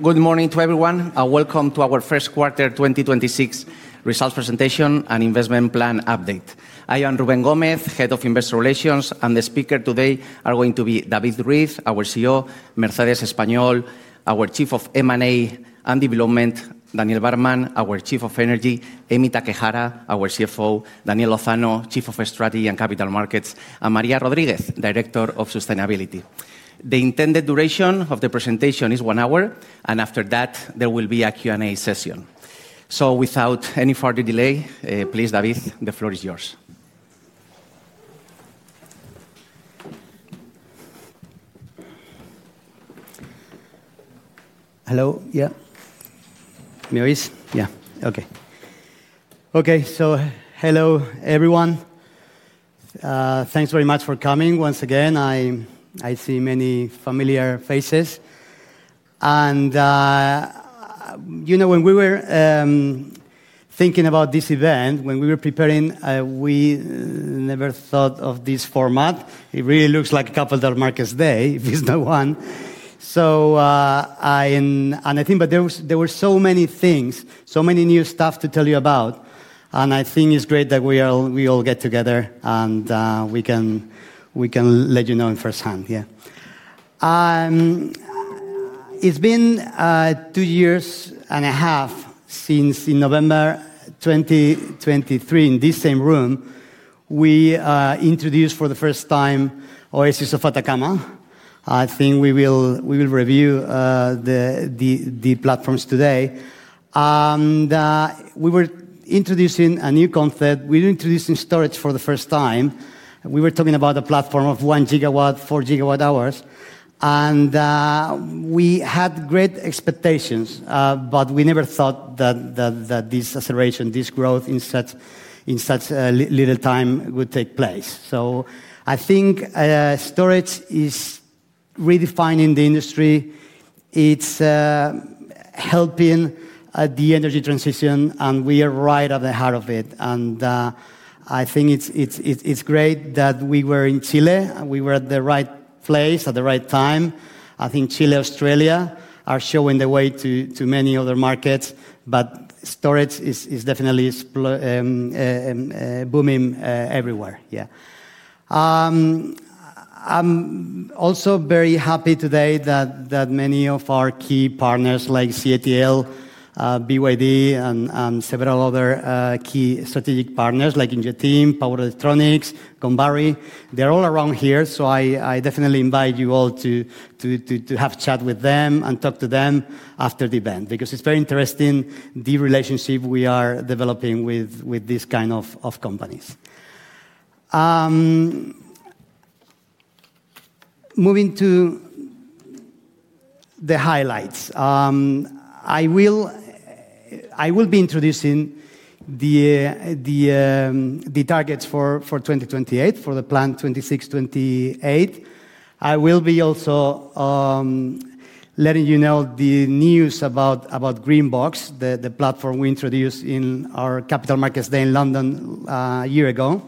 Good morning to everyone, welcome to our first quarter 2026 results presentation and investment plan updavte. I am Rubén Gómez, Head of Investor Relations, the speakers today are going to be David Ruiz, our CEO, Mercedes Español Soriano, our Chief of M&A and Development, Daniel Barman, our Chief of Energy, Emi Takehara, our CFO, Daniel Lozano, Chief of Strategy and Capital Markets, and María Rodríguez, Director of Sustainability. The intended duration of the presentation is one hour, after that, there will be a Q&A session. Without any further delay, please, David, the floor is yours. Hello, everyone. Thanks very much for coming once again. I see many familiar faces. When we were thinking about this event, when we were preparing, we never thought of this format. It really looks like a Capital Markets Day, if it is not one. There were so many things, so much new stuff to tell you about, and I think it is great that we all get together, and we can let you know firsthand. Yeah. It has been two years and a half since, in November 2023, in this same room, we introduced, for the first time, Oasis de Atacama. I think we will review the platforms today. We were introducing a new concept. We were introducing storage for the first time. We were talking about a platform of 1 GW, 4GWh. We had great expectations, we never thought that this acceleration, this growth in such little time would take place. I think storage is redefining the industry. It's helping the energy transition, we are right at the heart of it. I think it's great that we were in Chile, we were at the right place at the right time. I think Chile, Australia are showing the way to many other markets. Storage is definitely booming everywhere. I'm also very happy today that many of our key partners like CATL, BYD, and several other key strategic partners like Ingeteam, Power Electronics, [company], they're all around here. I definitely invite you all to have a chat with them and talk to them after the event. It's very interesting, the relationship we are developing with these kind of companies. Moving to the highlights. I will be introducing the targets for 2028, for the plan 2026, 2028. I will be also letting you know the news about Greenbox, the platform we introduced in our Capital Markets Day in London a year ago.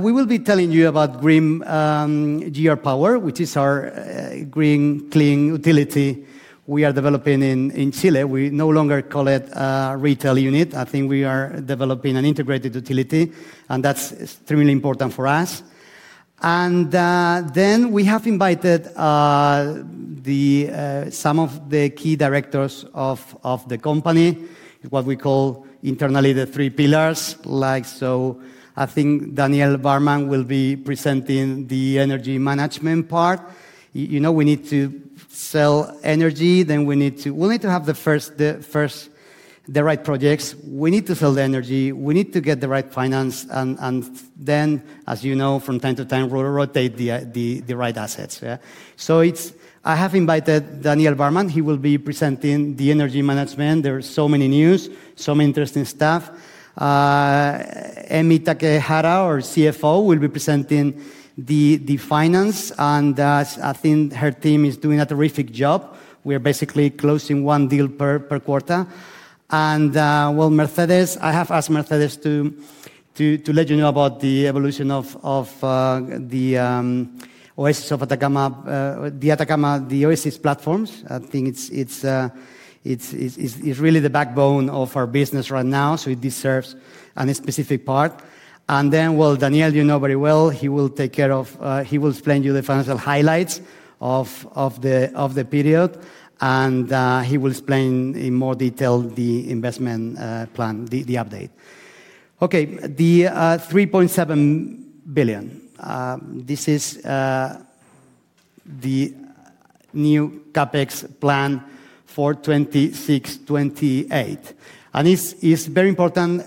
We will be telling you about GR Power, which is our green, clean utility we are developing in Chile. We no longer call it a retail unit. I think we are developing an integrated utility, and that's extremely important for us. We have invited some of the key directors of the company, what we call internally the three pillars. I think Daniel Barman will be presenting the energy management part. We need to sell energy. We will need to have the right projects. We need to sell the energy. We need to get the right finance. As you know, from time to time, rotate the right assets, yeah? I have invited Daniel Barman. He will be presenting the energy management. There is so many news, some interesting stuff. Emi Takehara, our CFO, will be presenting the finance, and I think her team is doing a terrific job. We are basically closing one deal per quarter. Well, Mercedes, I have asked Mercedes to let you know about the evolution of the Oasis de Atacama, the Oasis platforms. I think it's really the backbone of our business right now, so it deserves an specific part. Well, Daniel you know very well. He will explain to you the financial highlights of the period, and he will explain in more detail the investment plan, the update. Okay. The 3.7 billion. This is the new CapEx plan for 2026, 2028. It's very important,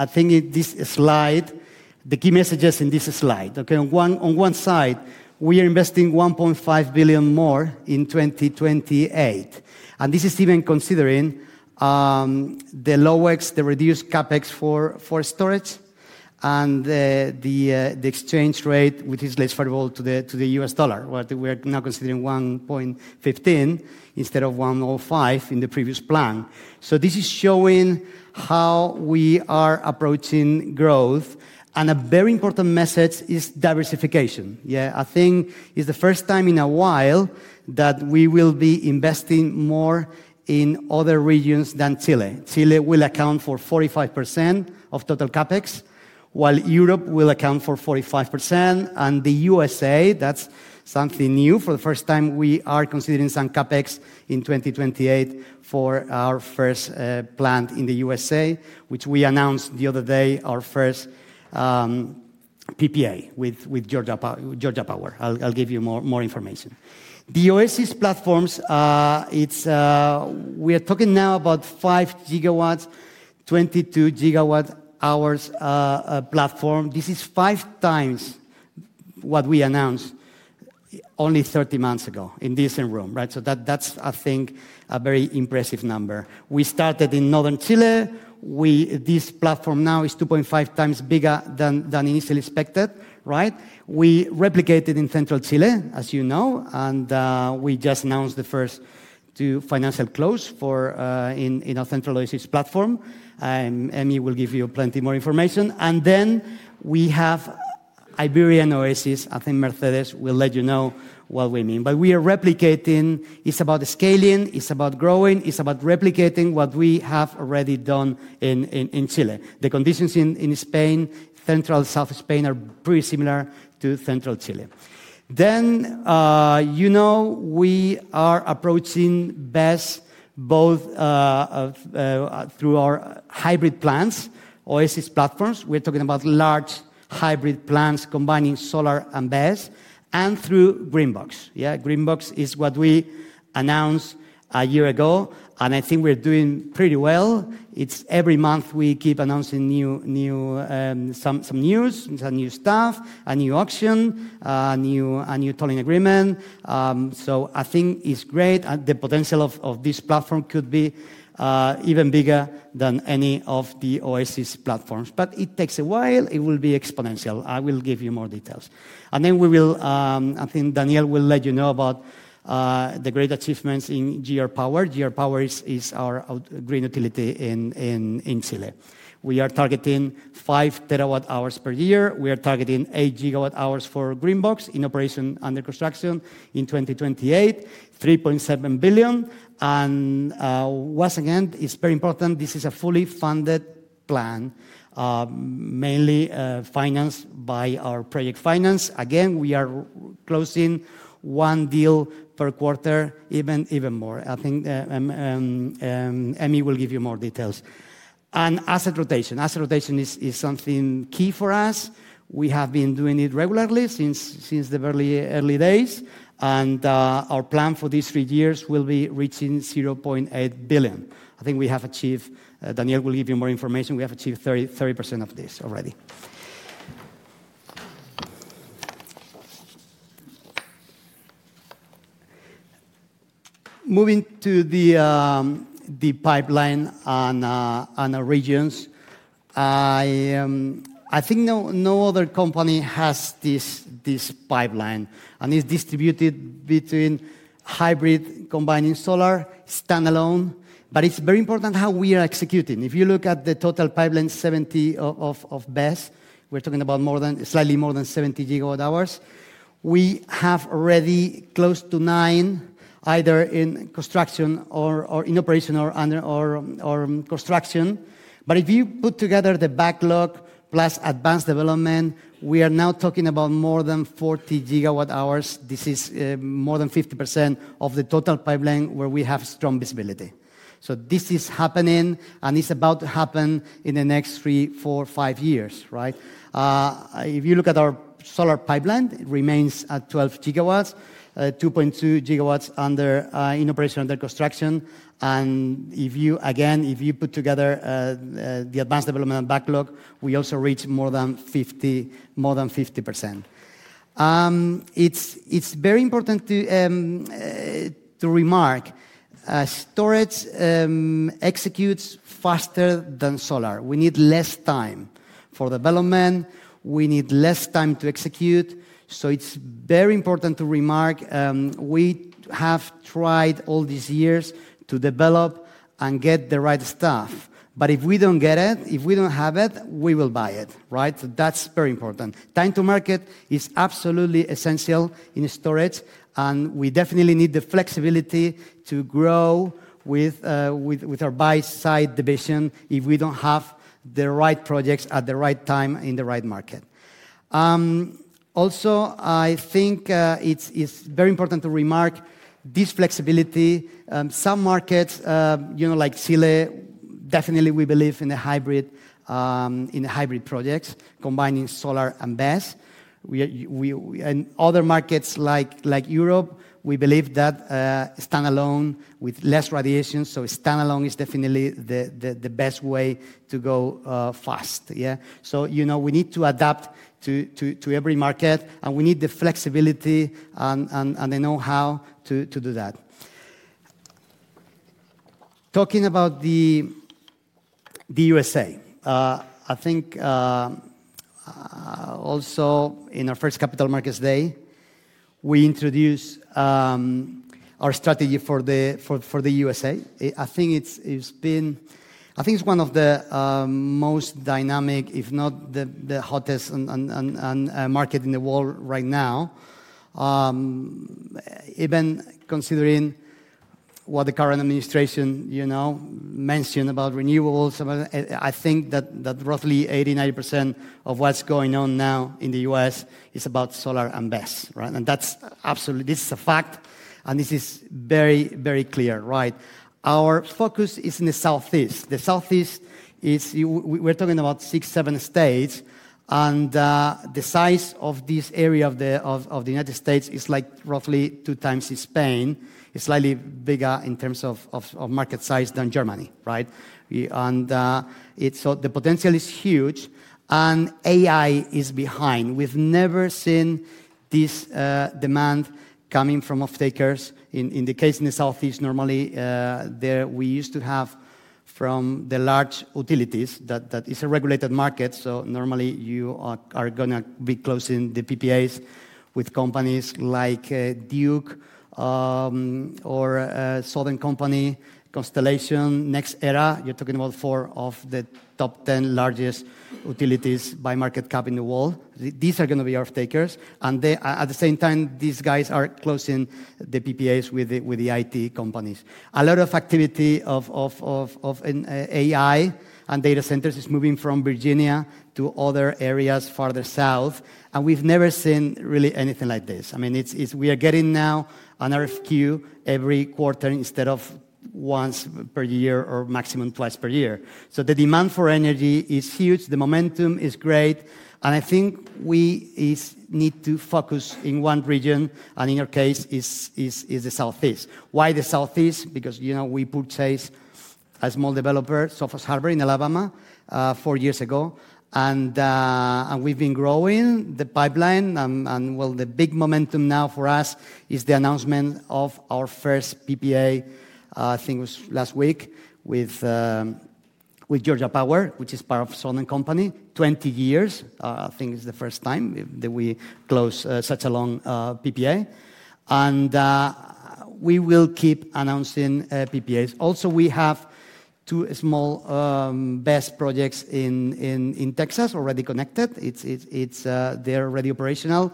I think, the key messages in this slide. Okay. On one side, we are investing 1.5 billion more in 2028. This is even considering the reduced CapEx for storage and the exchange rate, which is less favorable to the US dollar. We're now considering 1.15 instead of 1.05 in the previous plan. This is showing how we are approaching growth, and a very important message is diversification. I think it's the first time in a while that we will be investing more in other regions than Chile. Chile will account for 45% of total CapEx, while Europe will account for 45%, and the USA., that's something new. For the first time, we are considering some CapEx in 2028 for our first plant in the USA., which we announced the other day, our first PPA with Georgia Power. I'll give you more information. The Oasis platforms, we are talking now about 5 GW, 22 GWh platform. This is five times what we announced only 30 months ago in this same room. That's, I think, a very impressive number. We started in northern Chile. This platform now is 2.5 times bigger than initially expected. We replicated in central Chile, as you know, and we just announced the first two financial close in our Central Oasis platform. Emi will give you plenty more information. We have Iberian Oasis. I think Mercedes will let you know what we mean. We are replicating. It's about scaling, it's about growing, it's about replicating what we have already done in Chile. The conditions in Spain, central south Spain, are pretty similar to central Chile. We are approaching BESS both through our hybrid plants, Oasis platforms. We're talking about large hybrid plants combining solar and BESS, and through Greenbox. Greenbox is what we announced a year ago, and I think we're doing pretty well. Every month, we keep announcing some news, some new stuff, a new auction, a new tolling agreement. I think it's great, and the potential of this platform could be even bigger than any of the Oasis platforms. It takes a while. It will be exponential. I will give you more details. I think Daniel will let you know about the great achievements in GR Power. GR Power is our green utility in Chile. We are targeting 5 TWh per year. We are targeting 8 GWh for Greenbox in operation, under construction in 2028, 3.7 billion. Once again, it's very important, this is a fully funded plan, mainly financed by our project finance. Again, we are closing one deal per quarter, even more. I think Emi will give you more details. Asset rotation. Asset rotation is something key for us. We have been doing it regularly since the early days, our plan for these three years will be reaching 0.8 billion. Daniel will give you more information. We have achieved 30% of this already. To the pipeline and our regions. I think no other company has this pipeline, it's distributed between hybrid, combining solar, standalone. It's very important how we are executing. If you look at the total pipeline, 70 of BESS, we're talking about slightly more than 70 GWh. We have already close to nine, either in operation or construction. If you put together the backlog plus advanced development, we are now talking about more than 40 GWh. This is more than 50% of the total pipeline where we have strong visibility. This is happening, and it's about to happen in the next three, four, five years. If you look at our solar pipeline, it remains at 12 GW, 2.2 GW in operation, under construction. Again, if you put together the advanced development backlog, we also reach more than 50%. It is very important to remark, storage executes faster than solar. We need less time for development. We need less time to execute. It is very important to remark, we have tried all these years to develop and get the right stuff. If we don't get it, if we don't have it, we will buy it. That's very important. Time to market is absolutely essential in storage, and we definitely need the flexibility to grow with our buy-side division if we don't have the right projects at the right time in the right market. I think it's very important to remark this flexibility. Some markets, like Chile, definitely we believe in the hybrid projects combining solar and BESS. In other markets, like Europe, we believe that standalone with less radiation. Standalone is definitely the best way to go fast. We need to adapt to every market, and we need the flexibility and the know-how to do that. Talking about the USA., I think also in our first Capital Markets Day, we introduced our strategy for the USA. I think it's one of the most dynamic, if not the hottest market in the world right now. Even considering what the current administration mentioned about renewables, I think that roughly 80%-90% of what's going on now in the U.S. is about solar and BESS. This is a fact, and this is very clear. Our focus is in the Southeast. The Southeast, we're talking about six, seven states. The size of this area of the U.S. is roughly 2x Spain. It's slightly bigger in terms of market size than Germany. The potential is huge, and AI is behind. We've never seen this demand coming from off-takers. In the case in the Southeast, normally, we used to have from the large utilities, that is a regulated market. Normally you are going to be closing the PPAs with companies like Duke or Southern Company, Constellation, NextEra. You're talking about four of the top 10 largest utilities by market cap in the world. These are going to be our off-takers. At the same time, these guys are closing the PPAs with the IT companies. A lot of activity of AI and data centers is moving from Virginia to other areas farther south. We've never seen really anything like this. We are getting now an RFQ every quarter instead of once per year or maximum twice per year. The demand for energy is huge. The momentum is great. I think we need to focus in one region, and in our case, it's the Southeast. Why the Southeast? Because we purchased a small developer, Sofos Harbert in Alabama, four years ago. We've been growing the pipeline, and, well, the big momentum now for us is the announcement of our first PPA, I think it was last week, with Georgia Power, which is part of Southern Company, 20 years. I think it's the first time that we closed such a long PPA. We will keep announcing PPAs. We have two small BESS projects in Texas already connected. They're already operational.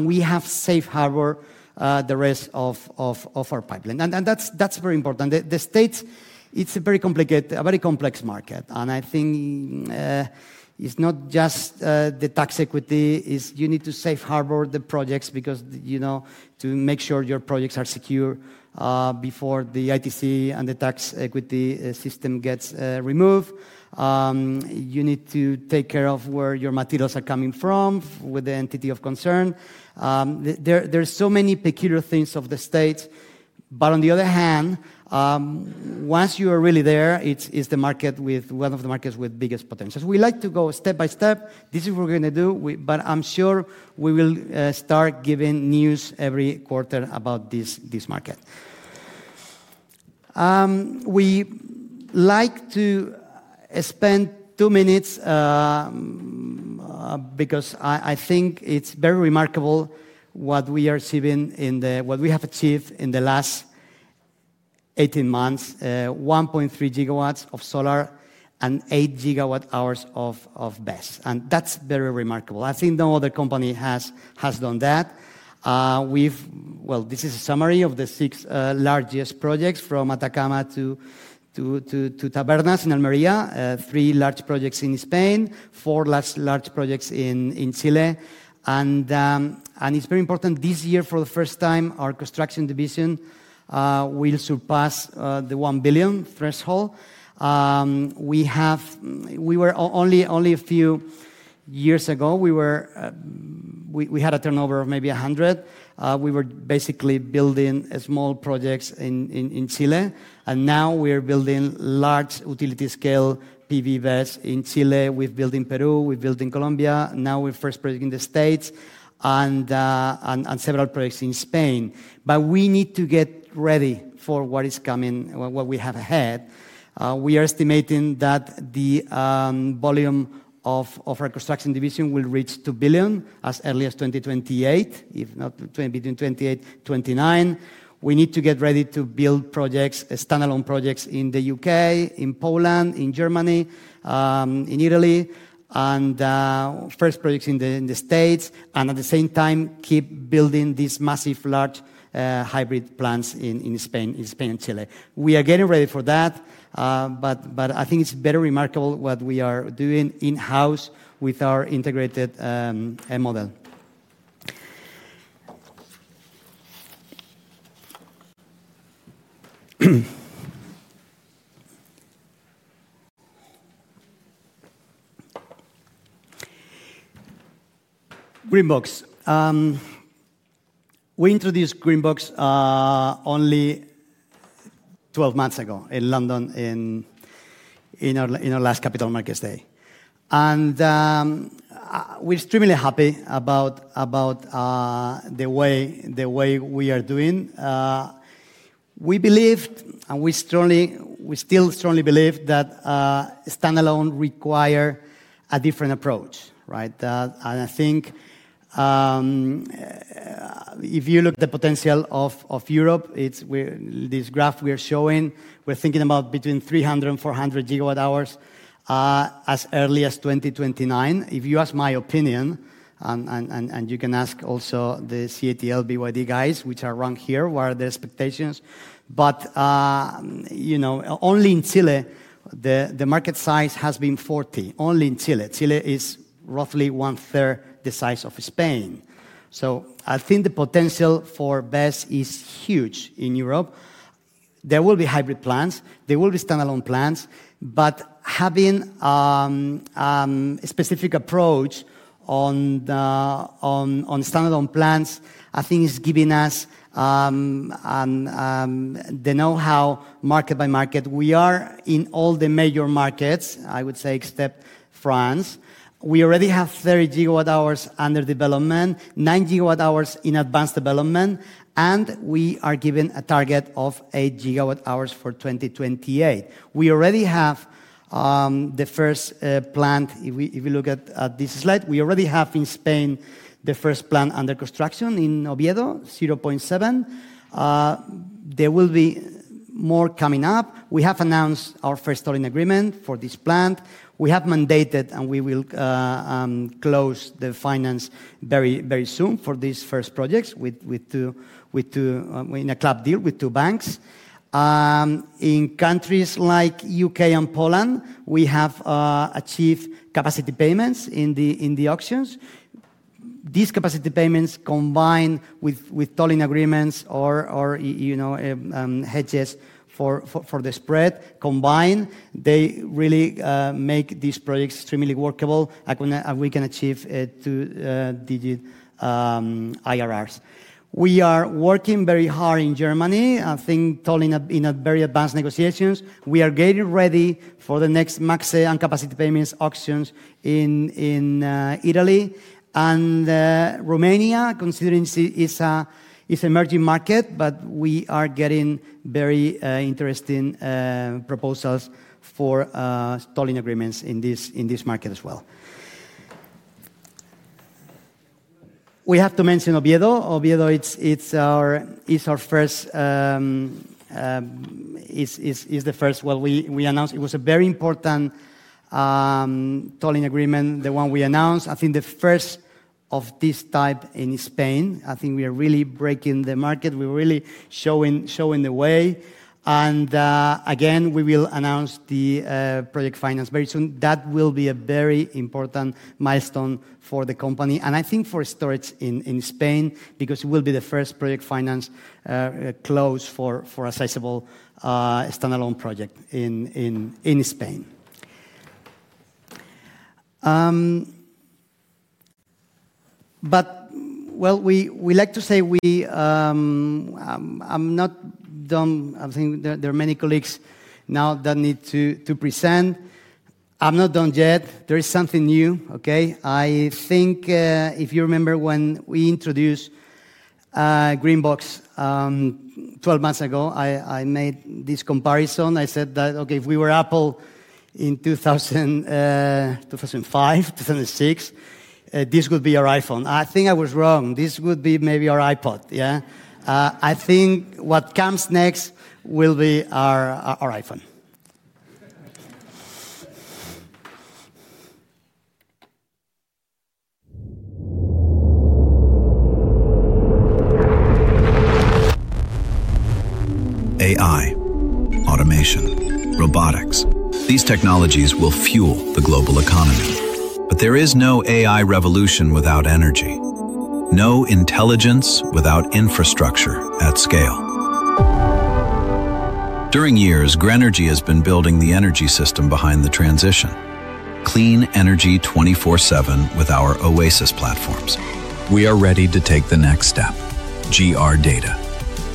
We have safe harbor the rest of our pipeline. That's very important. The States, it's a very complex market, and I think it's not just the tax equity. You need to safe harbor the projects because to make sure your projects are secure before the ITC and the tax equity system gets removed. You need to take care of where your materials are coming from with the entity of concern. There's so many peculiar things of the States. On the other hand, once you are really there, it's one of the markets with biggest potential. We like to go step by step. This is what we're going to do. I'm sure we will start giving news every quarter about this market. We like to spend two minutes, because I think it's very remarkable what we have achieved in the last 18 months, 1.3 GW of solar and 8 GWh of BESS. That's very remarkable. I think no other company has done that. This is a summary of the six largest projects from Atacama to Tabernas in Almeria, three large projects in Spain, four large projects in Chile. It's very important, this year, for the first time, our construction division will surpass the 1 billion threshold. Only a few years ago, we had a turnover of maybe 100. We were basically building small projects in Chile. Now we're building large utility-scale PV BESS in Chile. We've built in Peru, we've built in Colombia. Now we've first project in the U.S. and several projects in Spain. We need to get ready for what is coming, what we have ahead. We are estimating that the volume of our construction division will reach 2 billion as early as 2028, if not between 2028, 2029. We need to get ready to build standalone projects in the U.K., in Poland, in Germany, in Italy, and first projects in the States, and at the same time, keep building these massive, large hybrid plants in Spain and Chile. We are getting ready for that. I think it's very remarkable what we are doing in-house with our integrated model. Greenbox. We introduced Greenbox only 12 months ago in London in our last Capital Markets Day. And we're extremely happy about the way we are doing. We believed, and we still strongly believe that standalone require a different approach, right? I think if you look at the potential of Europe, this graph we are showing, we're thinking about between 300 GW and 400 GW hours as early as 2029. If you ask my opinion, and you can ask also the CATL, BYD guys, which are around here, what are the expectations. Only in Chile, the market size has been 40. Only in Chile. Chile is roughly one-third the size of Spain. I think the potential for BESS is huge in Europe. There will be hybrid plants, there will be standalone plants, but having a specific approach on standalone plants, I think, is giving us the know-how market by market. We are in all the major markets, I would say except France. We already have 30 GWh under development, 9 GWh in advanced development, and we are given a target of 8 GWh for 2028. We already have the first plant. If we look at this slide, we already have in Spain the first plant under construction in Oviedo, 0.7. There will be more coming up. We have announced our first tolling agreement for this plant. We have mandated and we will close the finance very soon for these first projects in a club deal with two banks. In countries like U.K. and Poland, we have achieved capacity payments in the auctions. These capacity payments combined with tolling agreements or hedges for the spread combined, they really make these projects extremely workable, and we can achieve two-digit IRRs. We are working very hard in Germany, I think tolling in a very advanced negotiations. We are getting ready for the next max and capacity payments auctions in Italy. Romania, considering it's emerging market, but we are getting very interesting proposals for tolling agreements in this market as well. We have to mention Oviedo. Oviedo, it's the first one we announced. It was a very important tolling agreement, the one we announced. I think the first of this type in Spain. I think we are really breaking the market. We're really showing the way. Again, we will announce the project finance very soon. That will be a very important milestone for the company and I think for storage in Spain, because it will be the first project finance close for a sizable standalone project in Spain. Well, we like to say I'm not done. I think there are many colleagues now that need to present. I'm not done yet. There is something new, okay? I think, if you remember when we introduced Greenbox 12 months ago, I made this comparison. I said that, okay, if we were Apple in 2005, 2006, this could be our iPhone. I think I was wrong. This would be maybe our iPod, yeah? I think what comes next will be our iPhone. AI, automation, robotics. These technologies will fuel the global economy. There is no AI revolution without energy. No intelligence without infrastructure at scale. During years, Grenergy has been building the energy system behind the transition. Clean energy 24/7 with our oasis platforms. We are ready to take the next step, GR Data.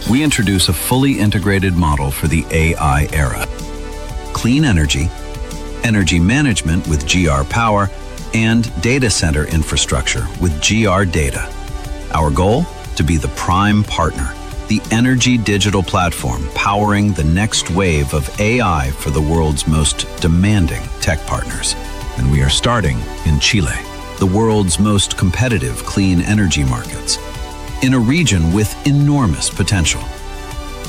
We introduce a fully integrated model for the AI era. Clean energy management with GR Power, and data center infrastructure with GR Data. Our goal? To be the prime partner. The energy digital platform powering the next wave of AI for the world's most demanding tech partners. We are starting in Chile, the world's most competitive clean energy markets, in a region with enormous potential.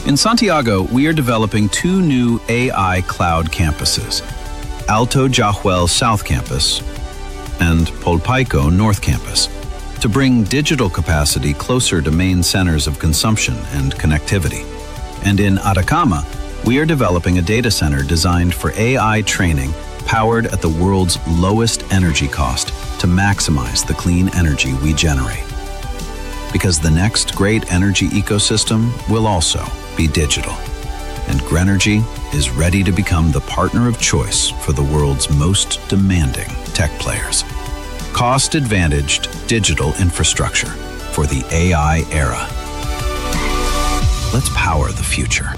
In Santiago, we are developing two new AI cloud campuses, Alto Jahuel South Campus and Polpaico North Campus, to bring digital capacity closer to main centers of consumption and connectivity. In Atacama Data, we are developing a data center designed for AI training, powered at the world's lowest energy cost to maximize the clean energy we generate. The next great energy ecosystem will also be digital, and Grenergy is ready to become the partner of choice for the world's most demanding tech players. Cost-advantaged digital infrastructure for the AI era. Let's power the future.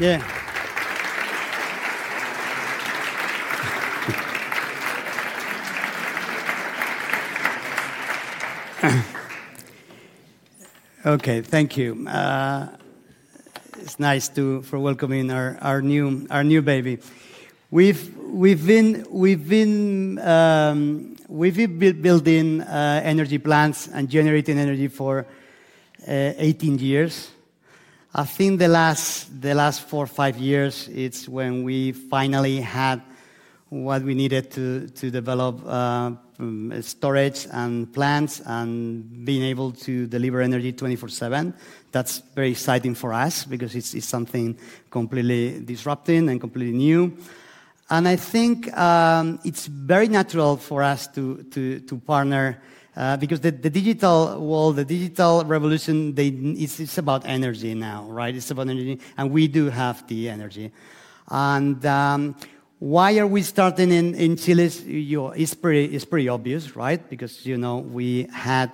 Yeah. Okay. Thank you. It's nice for welcoming our new baby. We've been building energy plants and generating energy for 18 years. I think the last four or five years, it's when we finally had what we needed to develop storage and plants and being able to deliver energy 24/7. That's very exciting for us because it's something completely disrupting and completely new. I think it's very natural for us to partner because the digital world, the digital revolution, it's about energy now, right? It's about energy, and we do have the energy. Why are we starting in Chile? It's pretty obvious. Because we had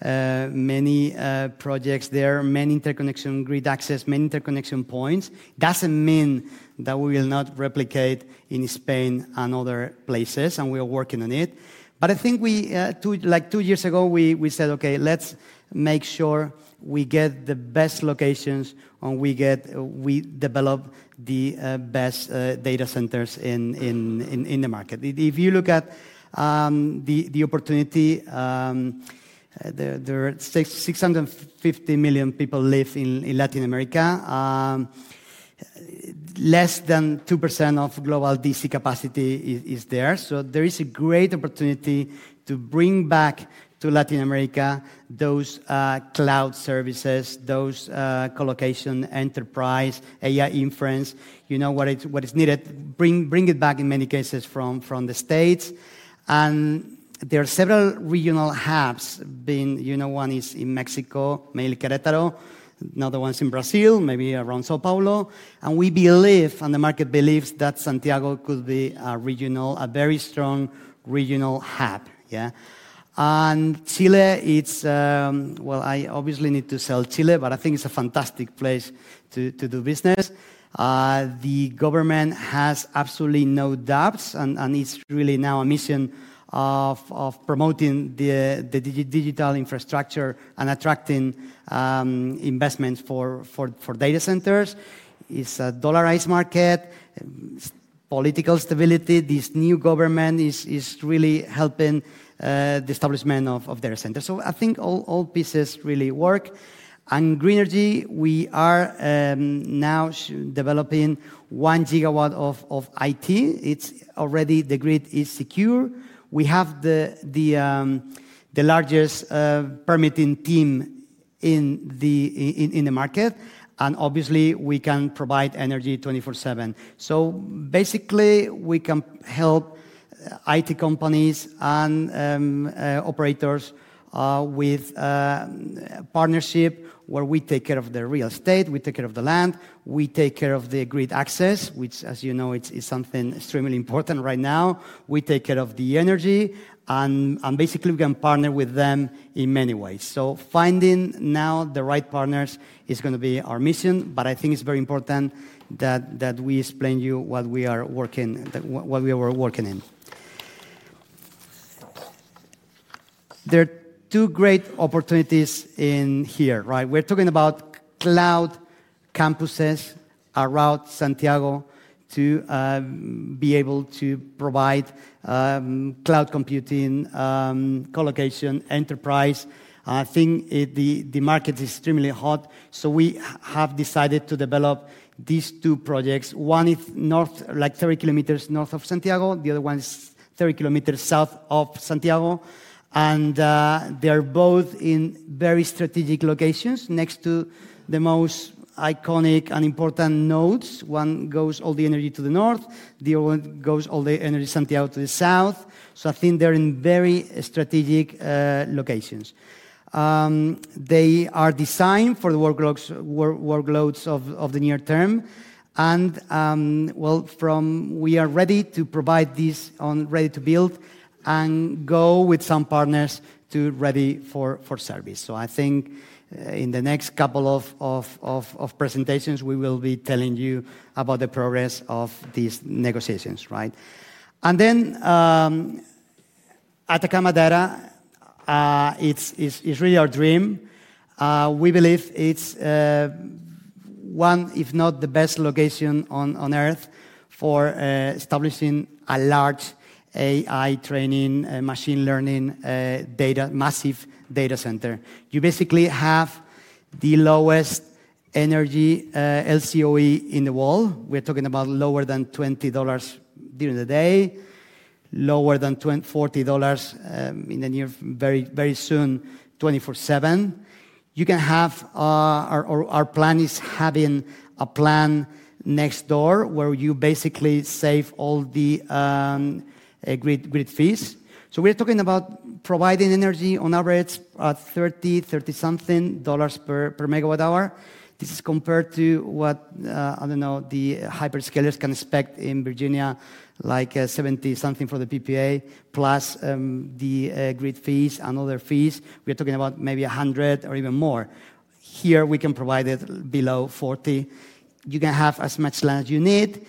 many projects there, many interconnection grid access, many interconnection points. Doesn't mean that we will not replicate in Spain and other places, and we are working on it. I think two years ago, we said, "Okay. Let's make sure we get the best locations, and we develop the best data centers in the market. If you look at the opportunity, 650 million people live in Latin America. Less than 2% of global DC capacity is there. There is a great opportunity to bring back to Latin America those cloud services, those collocation enterprise, AI inference. What is needed, bring it back in many cases from the States. There are several regional hubs. One is in Mexico, mainly Querétaro. Another one is in Brazil, maybe around São Paulo. We believe, and the market believes, that Santiago could be a very strong regional hub. Chile, well, I obviously need to sell Chile, but I think it's a fantastic place to do business. The government has absolutely no doubts, and it's really now a mission of promoting the digital infrastructure and attracting investments for data centers. It's a dollarized market. Political stability. This new government is really helping the establishment of data centers. I think all pieces really work. Grenergy, we are now developing 1 GW of IT. Already the grid is secure. We have the largest permitting team in the market, and obviously, we can provide energy 24/7. Basically, we can help IT companies and operators with partnership where we take care of the real estate, we take care of the land, we take care of the grid access, which as you know, is something extremely important right now. We take care of the energy, and basically, we can partner with them in many ways. Finding now the right partners is going to be our mission, but I think it's very important that we explain you what we are working in. There are two great opportunities in here. We're talking about cloud campuses around Santiago to be able to provide cloud computing, collocation, enterprise. I think the market is extremely hot. We have decided to develop these two projects. One is 30 km north of Santiago. The other one is 30 km south of Santiago. They are both in very strategic locations next to the most iconic and important nodes. One goes all the energy to the north, the other one goes all the energy Santiago to the south. I think they're in very strategic locations. They are designed for the workloads of the near term. We are ready to provide this on ready to build and go with some partners to ready for service. I think in the next couple of presentations, we will be telling you about the progress of these negotiations. Atacama Data, it's really our dream. We believe it's one, if not the best location on Earth for establishing a large AI training, machine learning, massive data center. You basically have the lowest energy LCOE in the world. We're talking about lower than EUR 20 during the day, lower than EUR 40 very soon, 24/7. Our plan is having a plan next door where you basically save all the grid fees. We're talking about providing energy on average at 30 something EUR per megawatt hour. This is compared to what, I don't know, the hyperscalers can expect in Virginia, like 70-something for the PPA plus the grid fees and other fees. We're talking about maybe 100 or even more. Here we can provide it below 40. You can have as much land as you need,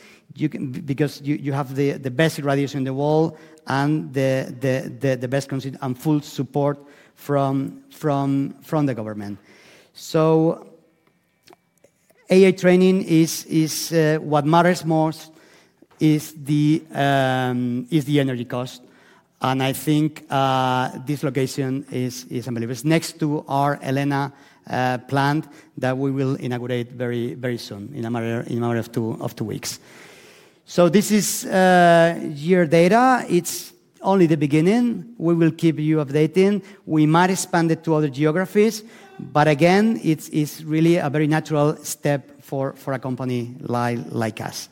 because you have the best radiation in the world and the best and full support from the government. AI training, what matters most is the energy cost, and I think this location is unbelievable. It's next to our Elena plant that we will inaugurate very soon, in a matter of two weeks. This is your data. It's only the beginning. We will keep you updated. We might expand it to other geographies, but again, it's really a very natural step for a company like us.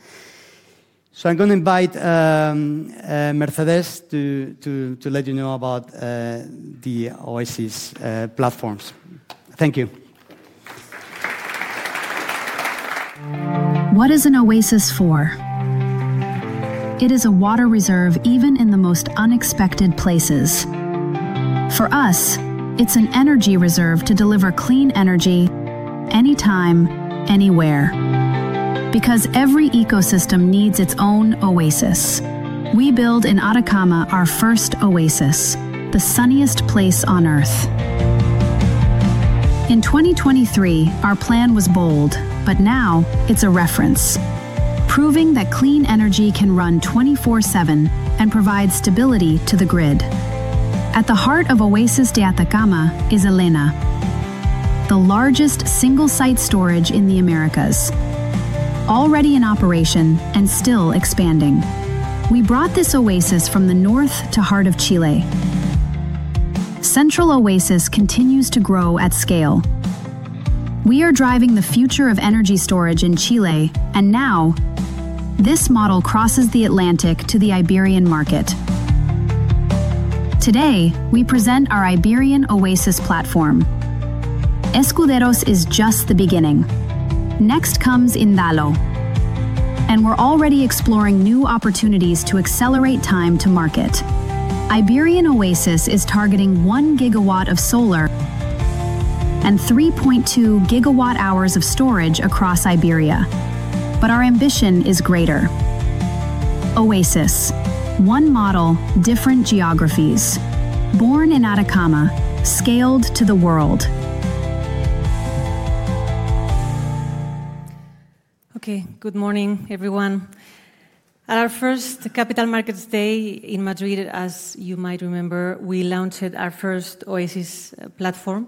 I'm going to invite Mercedes to let you know about the Oasis platforms. Thank you. What is an oasis for? It is a water reserve even in the most unexpected places. For us, it's an energy reserve to deliver clean energy anytime, anywhere. Every ecosystem needs its own oasis. We build in Atacama, our first oasis, the sunniest place on Earth. In 2023, our plan was bold. Now it's a reference, proving that clean energy can run 24/7 and provide stability to the grid. At the heart of Oasis de Atacama is Elena, the largest single-site storage in the Americas, already in operation and still expanding. We brought this oasis from the north to heart of Chile. Central Oasis continues to grow at scale. We are driving the future of energy storage in Chile. Now this model crosses the Atlantic to the Iberian market. Today, we present our Iberian Oasis platform. Escuderos is just the beginning. Next comes Indalo, we're already exploring new opportunities to accelerate time to market. Iberian Oasis is targeting 1 GW of solar and 3.2 GWh of storage across Iberia. Our ambition is greater. Oasis. One model, different geographies. Born in Atacama, scaled to the world. Okay. Good morning, everyone. At our first Capital Markets Day in Madrid, as you might remember, we launched our first Oasis platform.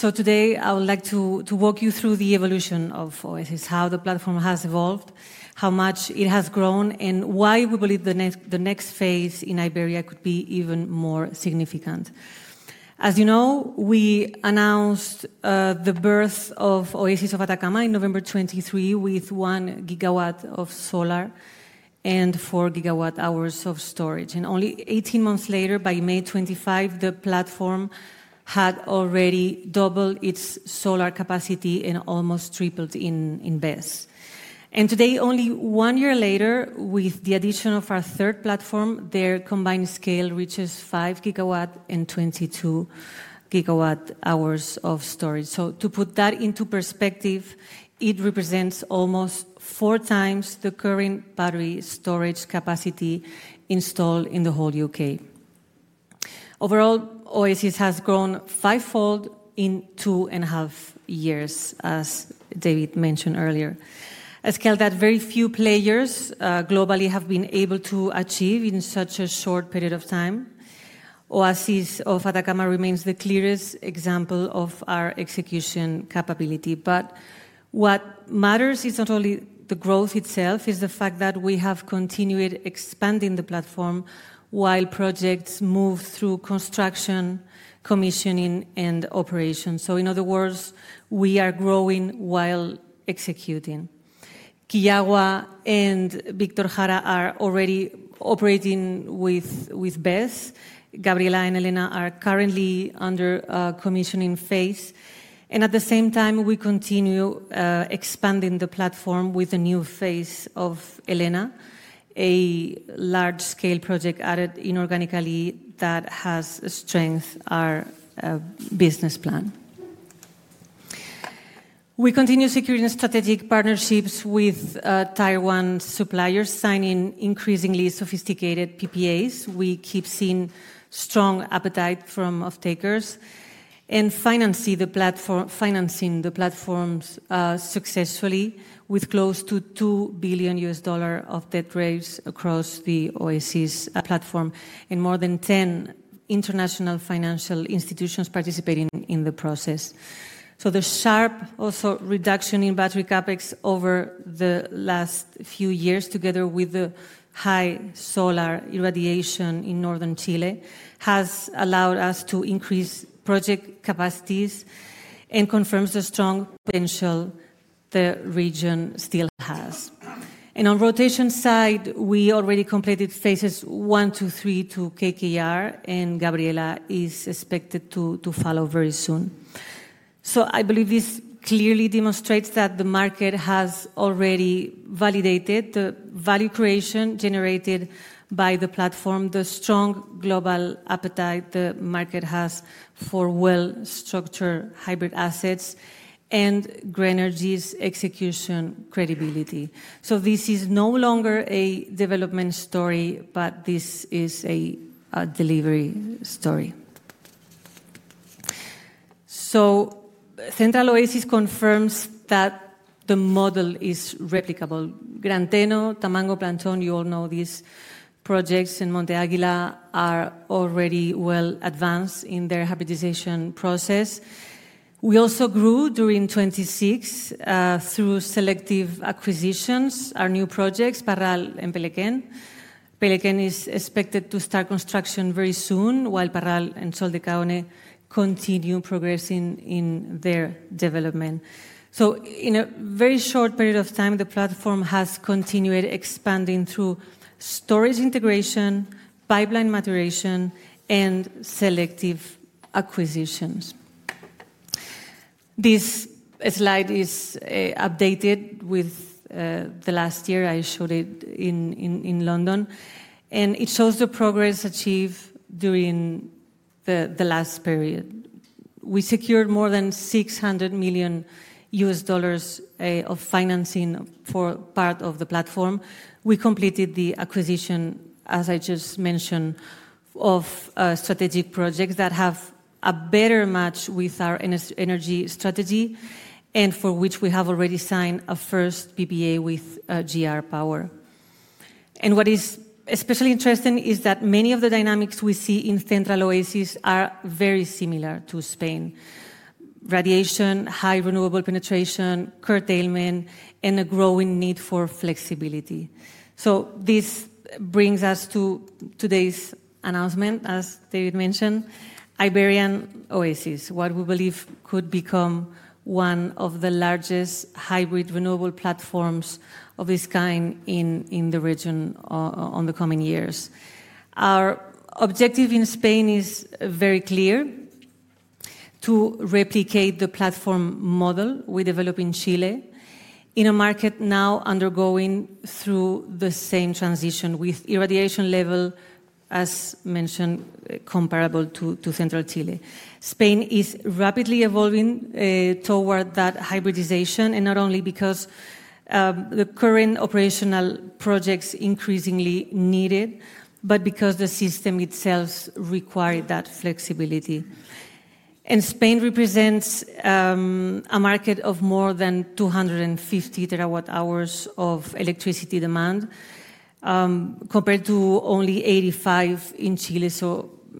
Today, I would like to walk you through the evolution of Oasis, how the platform has evolved, how much it has grown, and why we believe the next phase in Iberia could be even more significant. As you know, we announced the birth of Oasis de Atacama in November 2023 with 1 GW of solar and 4 GW hours of storage. Only 18 months later, by May 2025, the platform had already doubled its solar capacity and almost tripled in BESS. Today, only one year later, with the addition of our third platform, their combined scale reaches 5 GW and 22 GW hours of storage. To put that into perspective, it represents almost four times the current battery storage capacity installed in the whole U.K. Overall, Oasis has grown fivefold in two and a half years, as David mentioned earlier. A scale that very few players globally have been able to achieve in such a short period of time. Oasis de Atacama remains the clearest example of our execution capability. What matters is not only the growth itself, is the fact that we have continued expanding the platform while projects move through construction, commissioning, and operation. In other words, we are growing while executing. Quillagua and Víctor Jara are already operating with BESS. Gabriela and Elena are currently under a commissioning phase. At the same time, we continue expanding the platform with a new phase of Elena, a large-scale project added inorganically that has strengthened our business plan. We continue securing strategic partnerships with Tier 1 suppliers, signing increasingly sophisticated PPAs. We keep seeing strong appetite from off-takers and financing the platforms successfully with close to EUR 2 billion of debt raised across the Oasis Platform and more than 10 international financial institutions participating in the process. The sharp reduction in battery CapEx over the last few years, together with the high solar irradiation in northern Chile, has allowed us to increase project capacities and confirms the strong potential the region still has. On rotation side, we already completed phases one to three to KKR, and Gabriela is expected to follow very soon. I believe this clearly demonstrates that the market has already validated the value creation generated by the platform, the strong global appetite the market has for well-structured hybrid assets, and Grenergy's execution credibility. This is no longer a development story, but this is a delivery story. Central Oasis confirms that the model is replicable. Gran Teno, Tamango, Planchón, you all know these projects in Monte Águila are already well advanced in their hybridization process. We also grew during 2026 through selective acquisitions. Our new projects, Parral and Pelicano. Pelicano is expected to start construction very soon while Parral and Sol de Caone continue progressing in their development. In a very short period of time, the platform has continued expanding through storage integration, pipeline maturation, and selective acquisitions. This slide is updated with the last year I showed it in London, and it shows the progress achieved during the last period. We secured more than $600 million of financing for part of the platform. We completed the acquisition, as I just mentioned, of strategic projects that have a better match with our energy strategy, and for which we have already signed a first PPA with GR Power. What is especially interesting is that many of the dynamics we see in Central Oasis are very similar to Spain. Radiation, high renewable penetration, curtailment, and a growing need for flexibility. This brings us to today's announcement, as David mentioned, Iberian Oasis, what we believe could become one of the largest hybrid renewable platforms of its kind in the region in the coming years. Our objective in Spain is very clear, to replicate the platform model we develop in Chile in a market now undergoing through the same transition with irradiation level, as mentioned, comparable to Central Chile. Spain is rapidly evolving toward that hybridization, not only because the current operational projects increasingly need it, but because the system itself required that flexibility. Spain represents a market of more than 250 TWh of electricity demand, compared to only 85 in Chile,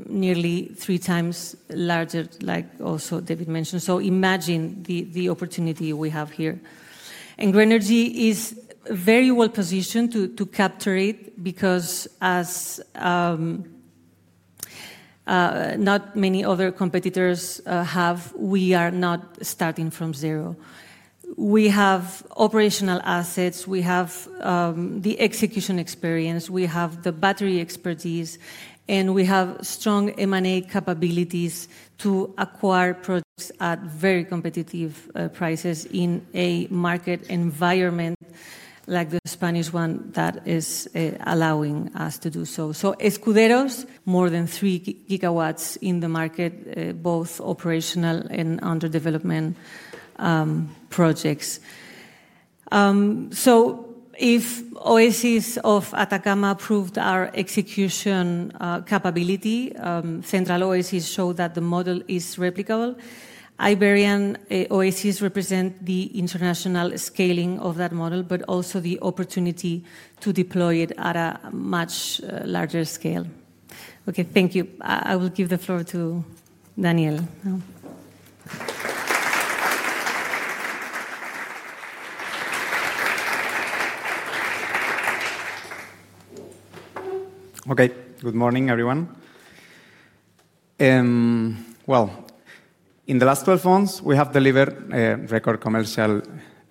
nearly three times larger, like also David mentioned. Imagine the opportunity we have here. Grenergy is very well-positioned to capture it because as not many other competitors have, we are not starting from zero. We have operational assets, we have the execution experience, we have the battery expertise, and we have strong M&A capabilities to acquire projects at very competitive prices in a market environment like the Spanish one that is allowing us to do so. Escuderos, more than 3 GW in the market, both operational and under development projects. If Oasis de Atacama proved our execution capability, Central Oasis showed that the model is replicable. Iberian Oasis represent the international scaling of that model, but also the opportunity to deploy it at a much larger scale. Okay, thank you. I will give the floor to Daniel now. Good morning, everyone. In the last 12 months, we have delivered record commercial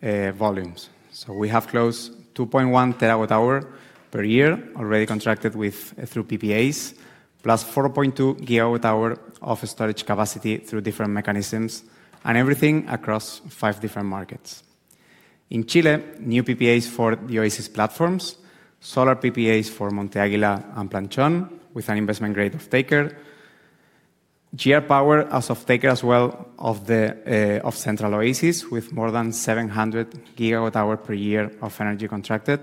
volumes. We have close 2.1 TWh per year already contracted through PPAs, plus 4.2 GWh of storage capacity through different mechanisms and everything across five different markets. In Chile, new PPAs for the Oasis platforms, solar PPAs for Monte Águila and Planchón with an investment grade offtaker. GR Power as offtaker as well of Central Oasis with more than 700 GWh per year of energy contracted.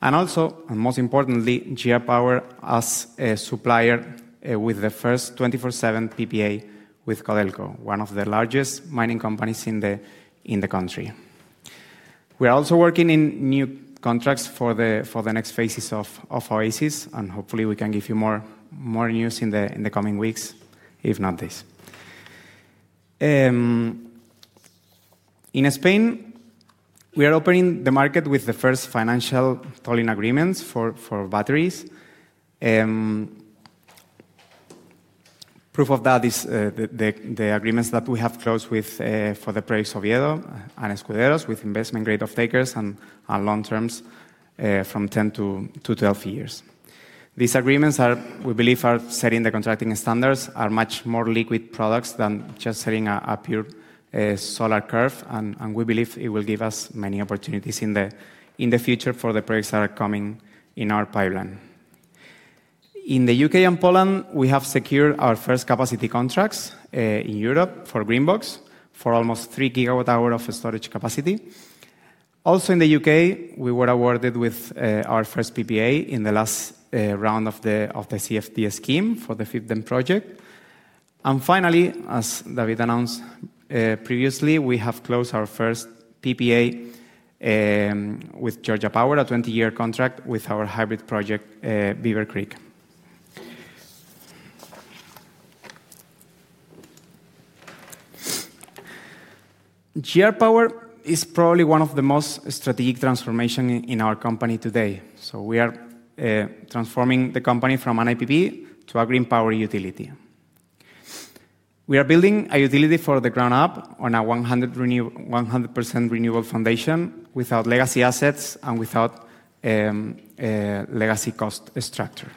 GR Power as a supplier with the first 24/7 PPA with Codelco, one of the largest mining companies in the country. We are also working in new contracts for the next phases of Oasis. Hopefully, we can give you more news in the coming weeks, if not days. In Spain, we are opening the market with the first financial tolling agreements for batteries. Proof of that is the agreements that we have closed for the projects Oviedo and Escuderos with investment grade off-takers and long terms from 10 to 12 years. These agreements, we believe, are setting the contracting standards, are much more liquid products than just setting a pure solar curve, and we believe it will give us many opportunities in the future for the projects that are coming in our pipeline. In the U.K. and Poland, we have secured our first capacity contracts in Europe for Greenbox for almost 3 GWh of storage capacity. Also in the U.K., we were awarded with our first PPA in the last round of the CFD scheme for the Fibden project. Finally, as David announced previously, we have closed our first PPA with Georgia Power, a 20-year contract with our hybrid project, Beaver Creek. GR Power is probably one of the most strategic transformations in our company today. We are transforming the company from an IPP to a green power utility. We are building a utility from the ground up on a 100% renewable foundation without legacy assets and without a legacy cost structure.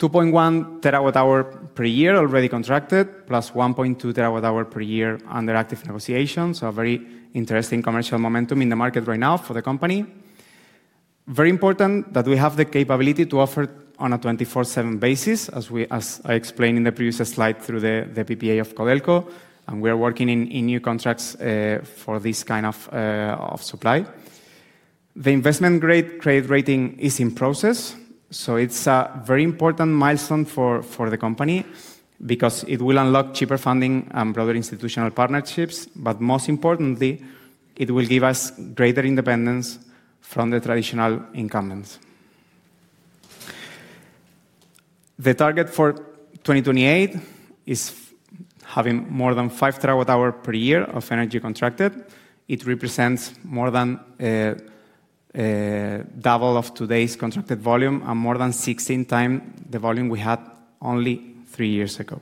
2.1 TWh per year already contracted, plus 1.2 TWh per year under active negotiation. Very interesting commercial momentum in the market right now for the company. Very important that we have the capability to offer on a 24/7 basis, as I explained in the previous slide through the PPA of Codelco, and we are working in new contracts for this kind of supply. The investment-grade credit rating is in process, so it's a very important milestone for the company because it will unlock cheaper funding and broader institutional partnerships. Most importantly, it will give us greater independence from the traditional incumbents. The target for 2028 is having more than 5 TWh per year of energy contracted. It represents more than double of today's contracted volume and more than 16 times the volume we had only three years ago.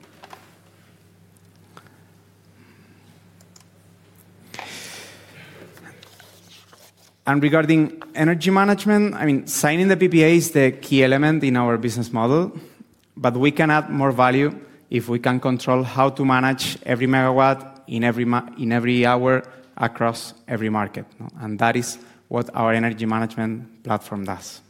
Regarding energy management, signing the PPA is the key element in our business model, but we can add more value if we can control how to manage every megawatt in every hour across every market. That is what our energy management platform does.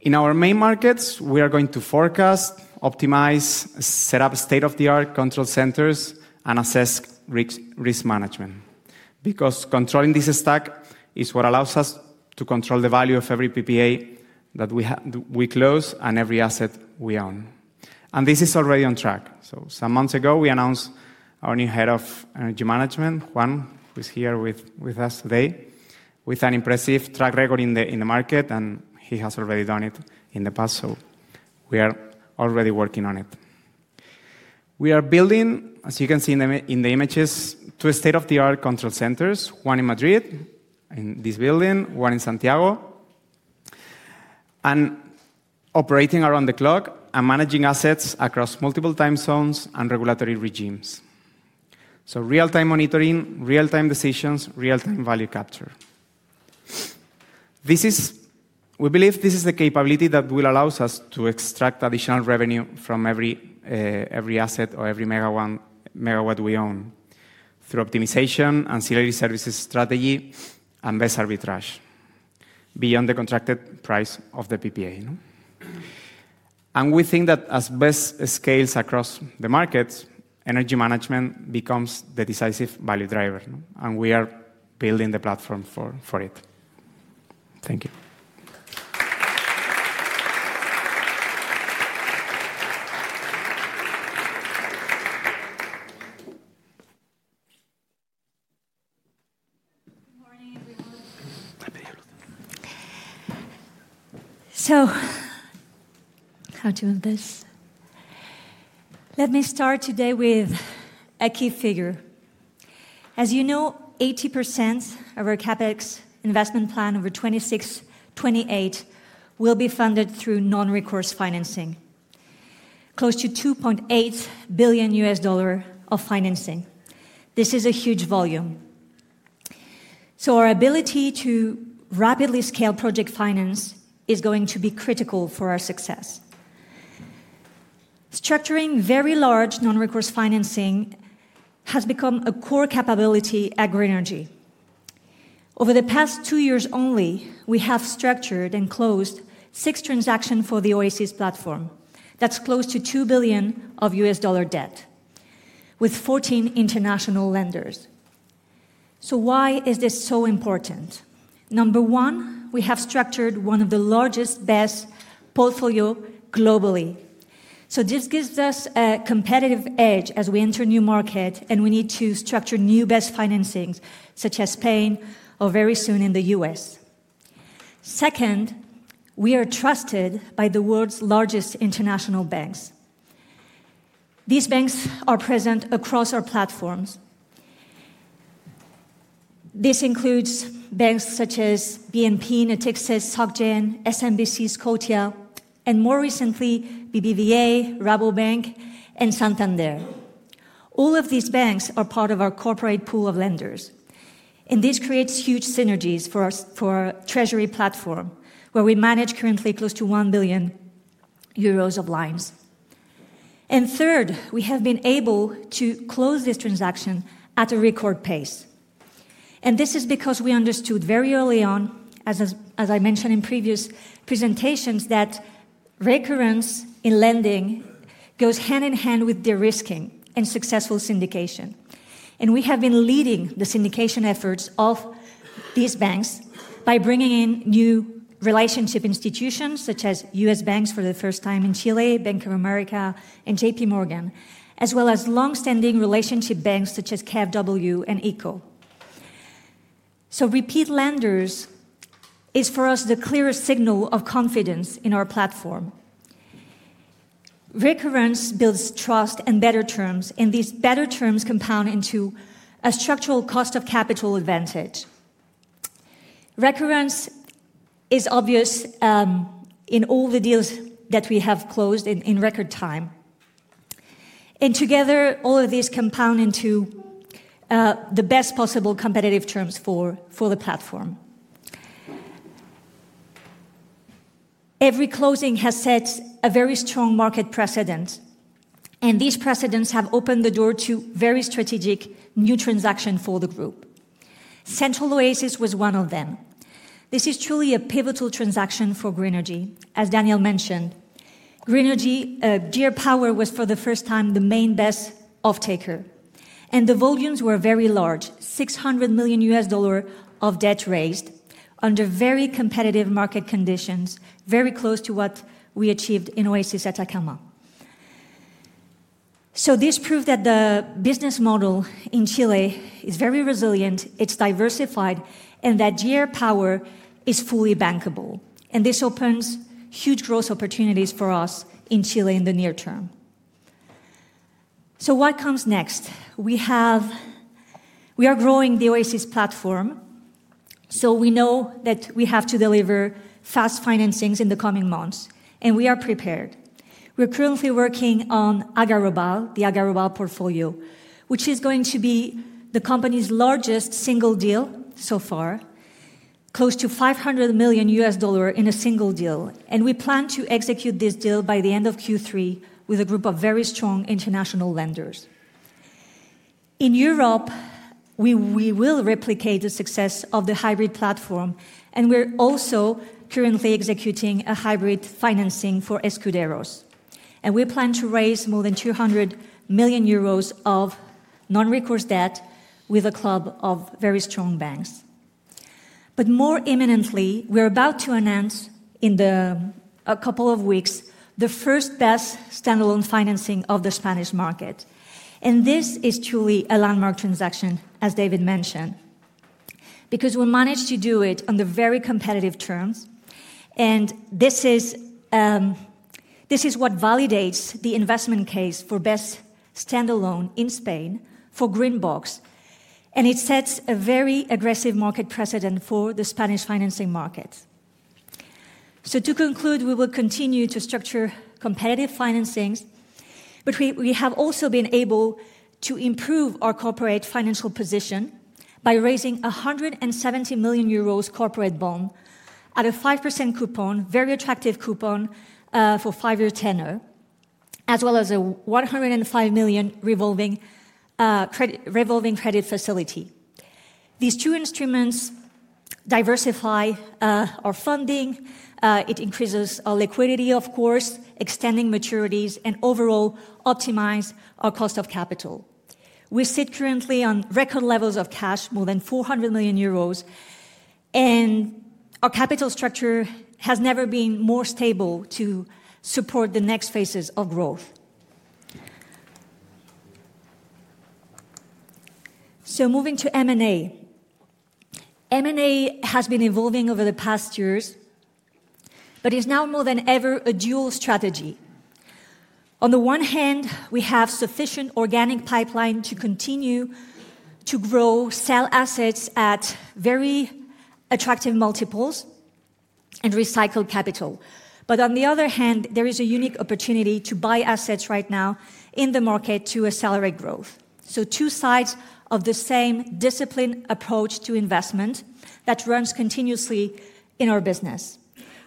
In our main markets, we are going to forecast, optimize, set up state-of-the-art control centers, and assess risk management, because controlling this stack is what allows us to control the value of every PPA that we close and every asset we own. This is already on track. Some months ago, we announced our new Head of Energy Management, Juan, who's here with us today, with an impressive track record in the market, and he has already done it in the past. We are already working on it. We are building, as you can see in the images, two state-of-the-art control centers, one in Madrid in this building, one in Santiago, and operating around the clock and managing assets across multiple time zones and regulatory regimes. Real-time monitoring, real-time decisions, real-time value capture. We believe this is the capability that will allow us to extract additional revenue from every asset or every megawatt we own through optimization, ancillary services strategy, and best arbitrage beyond the contracted price of the PPA. We think that as BESS scales across the markets, energy management becomes the decisive value driver. We are building the platform for it. Thank you. Good morning, everyone. How to hold this? Let me start today with a key figure. As you know, 80% of our CapEx investment plan over 2026, 2028 will be funded through non-recourse financing, close to $2.8 billion of financing. This is a huge volume. Our ability to rapidly scale project finance is going to be critical for our success. Structuring very large non-recourse financing has become a core capability at Grenergy. Over the past two years only, we have structured and closed six transactions for the Oasis Platform. That's close to $2 billion of debt with 14 international lenders. Why is this so important? Number one, we have structured one of the largest BESS portfolio globally. This gives us a competitive edge as we enter new markets and we need to structure new BESS financings, such as Spain or very soon in the U.S. Second, we are trusted by the world's largest international banks. These banks are present across our platforms. This includes banks such as BNP, Natixis, SocGen, SMBC, Scotia, and more recently, BBVA, Rabobank, and Santander. All of these banks are part of our corporate pool of lenders, and this creates huge synergies for our treasury platform, where we manage currently close to 1 billion euros of lines. Third, we have been able to close this transaction at a record pace. This is because we understood very early on, as I mentioned in previous presentations, that recurrence in lending goes hand-in-hand with de-risking and successful syndication. We have been leading the syndication efforts of these banks by bringing in new relationship institutions such as U.S. banks for the first time in Chile, Bank of America, and JPMorgan, as well as longstanding relationship banks such as KfW and ICO. Repeat lenders is, for us, the clearest signal of confidence in our platform. Recurrence builds trust and better terms, and these better terms compound into a structural cost of capital advantage. Recurrence is obvious in all the deals that we have closed in record time. Together, all of these compound into the best possible competitive terms for the platform. Every closing has set a very strong market precedent, and these precedents have opened the door to very strategic new transaction for the group. Central Oasis was one of them. This is truly a pivotal transaction for Grenergy. As Daniel mentioned, Grenergy, GR Power, was, for the first time, the main BESS off-taker, and the volumes were very large, $600 million of debt raised under very competitive market conditions, very close to what we achieved in Oasis de Atacama. This proved that the business model in Chile is very resilient, it's diversified, and that GR Power is fully bankable, and this opens huge growth opportunities for us in Chile in the near term. What comes next? We are growing the Oasis platform, so we know that we have to deliver fast financings in the coming months, and we are prepared. We're currently working on Agrawal, the Agrawal portfolio, which is going to be the company's largest single deal so far, close to 500 million US dollar in a single deal. We plan to execute this deal by the end of Q3 with a group of very strong international lenders. In Europe, we will replicate the success of the hybrid platform. We're also currently executing a hybrid financing for Escuderos. We plan to raise more than 200 million euros of non-recourse debt with a club of very strong banks. More imminently, we're about to announce, in a couple of weeks, the first BESS standalone financing of the Spanish market. This is truly a landmark transaction, as David mentioned, because we managed to do it under very competitive terms. This is what validates the investment case for BESS standalone in Spain for Greenbox. It sets a very aggressive market precedent for the Spanish financing market. To conclude, we will continue to structure competitive financings, we have also been able to improve our corporate financial position by raising 170 million euros corporate bond at a 5% coupon, very attractive coupon, for five-year tenor, as well as a 105 million revolving credit facility. These two instruments diversify our funding. It increases our liquidity, of course, extending maturities and overall optimize our cost of capital. We sit currently on record levels of cash, more than 400 million euros. Our capital structure has never been more stable to support the next phases of growth. Moving to M&A. M&A has been evolving over the past years, is now more than ever a dual strategy. On the one hand, we have sufficient organic pipeline to continue to grow, sell assets at very attractive multiples, and recycle capital. On the other hand, there is a unique opportunity to buy assets right now in the market to accelerate growth. Two sides of the same disciplined approach to investment that runs continuously in our business.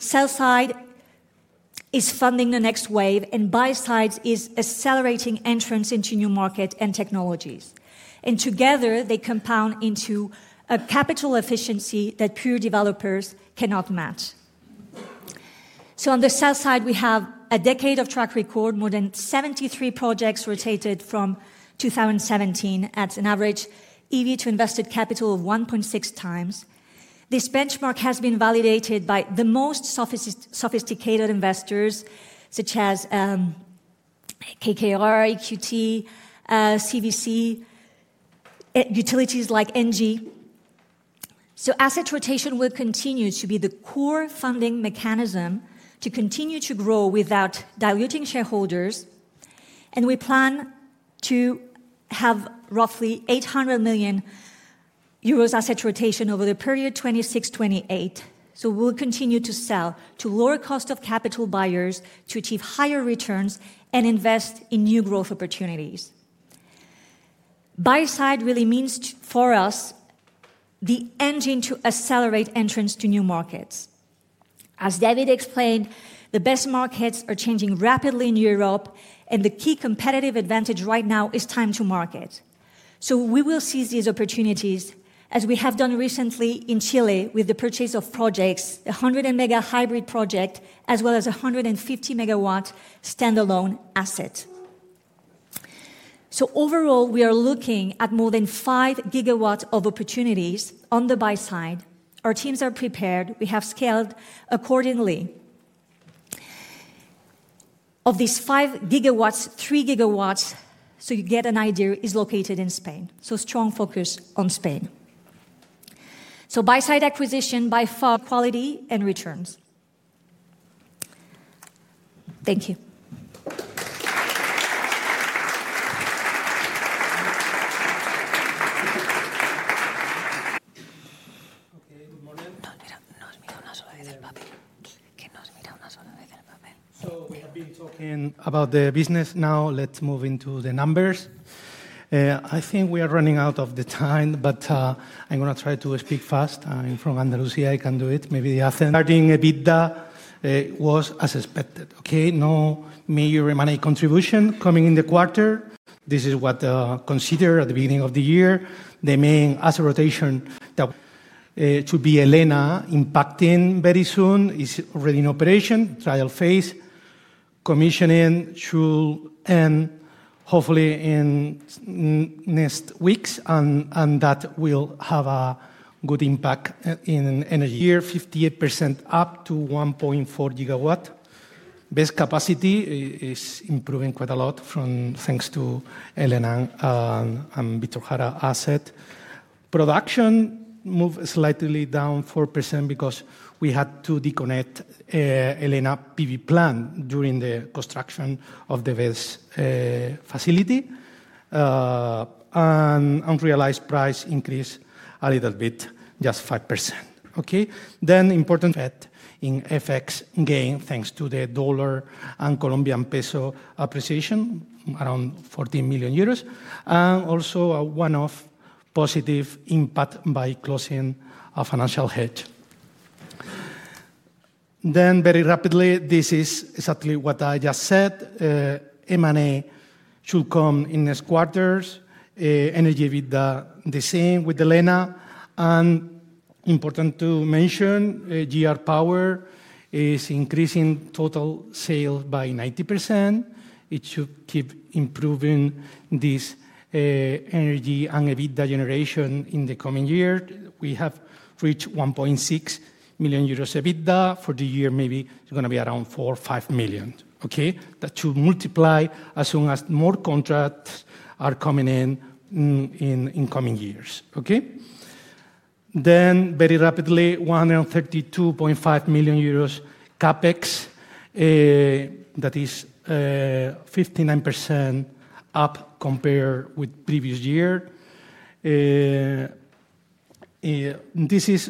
Sell-side is funding the next wave, buy-side is accelerating entrance into new market and technologies. Together, they compound into a capital efficiency that pure developers cannot match. On the sell-side, we have a decade of track record. More than 73 projects rotated from 2017 at an average EV to invested capital of 1.6x. This benchmark has been validated by the most sophisticated investors, such as KKR, EQT, CVC, utilities like Engie. Asset rotation will continue to be the core funding mechanism to continue to grow without diluting shareholders. We plan to have roughly 800 million euros asset rotation over the period 2026-2028. We'll continue to sell to lower cost of capital buyers to achieve higher returns and invest in new growth opportunities. Buy-side really means, for us, the engine to accelerate entrance to new markets. As David explained, the best markets are changing rapidly in Europe, and the key competitive advantage right now is time to market. We will seize these opportunities, as we have done recently in Chile, with the purchase of projects, the 100 MW hybrid project, as well as 150 MW standalone asset. Overall, we are looking at more than 5 GW of opportunities on the buy side. Our teams are prepared. We have scaled accordingly. Of these 5 GW, 3 GW, so you get an idea, is located in Spain. Strong focus on Spain. Buy-side acquisition by far quality and returns. Thank you. Okay, good morning. We have been talking about the business. Now let's move into the numbers. I think we are running out of the time, but I'm going to try to speak fast. I'm from Andalusia. I can do it. Maybe the accent. Starting EBITDA was as expected. Okay, no major M&A contribution coming in the quarter. This is what considered at the beginning of the year. The main asset rotation that to be Elena impacting very soon. It's already in operation, trial phase. Commissioning should end hopefully in next weeks, and that will have a good impact in a year, 58% up to 1.4 GW. BESS capacity is improving quite a lot from thanks to Elena and Víctor Jara asset. Production moved slightly down 4% because we had to deconnect Elena PV plan during the construction of the BESS facility, and unrealized price increase a little bit, just 5%. Okay. Important effect in FX gain thanks to the dollar and Colombian peso appreciation, around 40 million euros. Also a one-off positive impact by closing a financial hedge. Very rapidly, this is exactly what I just said. M&A should come in these quarters. Energy EBITDA, the same with Elena. Important to mention, GR Power is increasing total sales by 90%. It should keep improving this energy and EBITDA generation in the coming year. We have reached 1.6 million euros EBITDA for the year. Maybe it's going to be around 4 million or 5 million. Okay. That should multiply as soon as more contracts are coming in coming years. Okay. Very rapidly, 132.5 million euros CapEx. That is 59% up compared with previous year. This is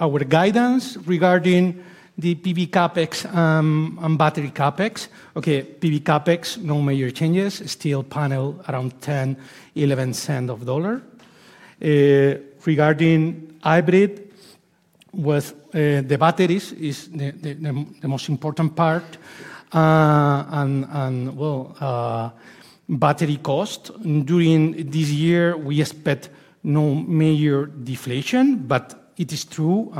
our guidance regarding the PV CapEx and battery CapEx. PV CapEx, no major changes. Still panel around $0.10, $0.11. Regarding hybrid, with the batteries is the most important part. Well, battery cost during this year, we expect no major deflation, but it is true,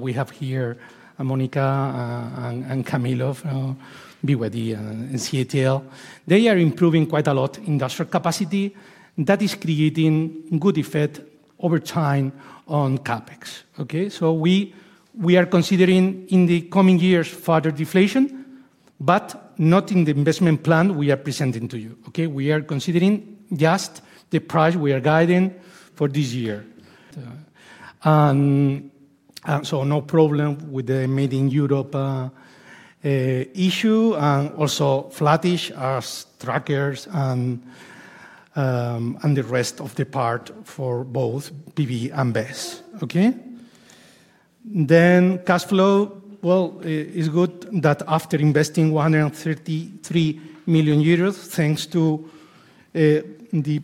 we have here Monica and Camilo from BYD and CATL. They are improving quite a lot industrial capacity. That is creating good effect over time on CapEx. We are considering in the coming years further deflation, but not in the investment plan we are presenting to you. We are considering just the price we are guiding for this year. No problem with the Made in Europe issue, and also flattish as trackers and the rest of the part for both PV and BESS. Cash flow. Well, it's good that after investing 133 million euros, thanks to the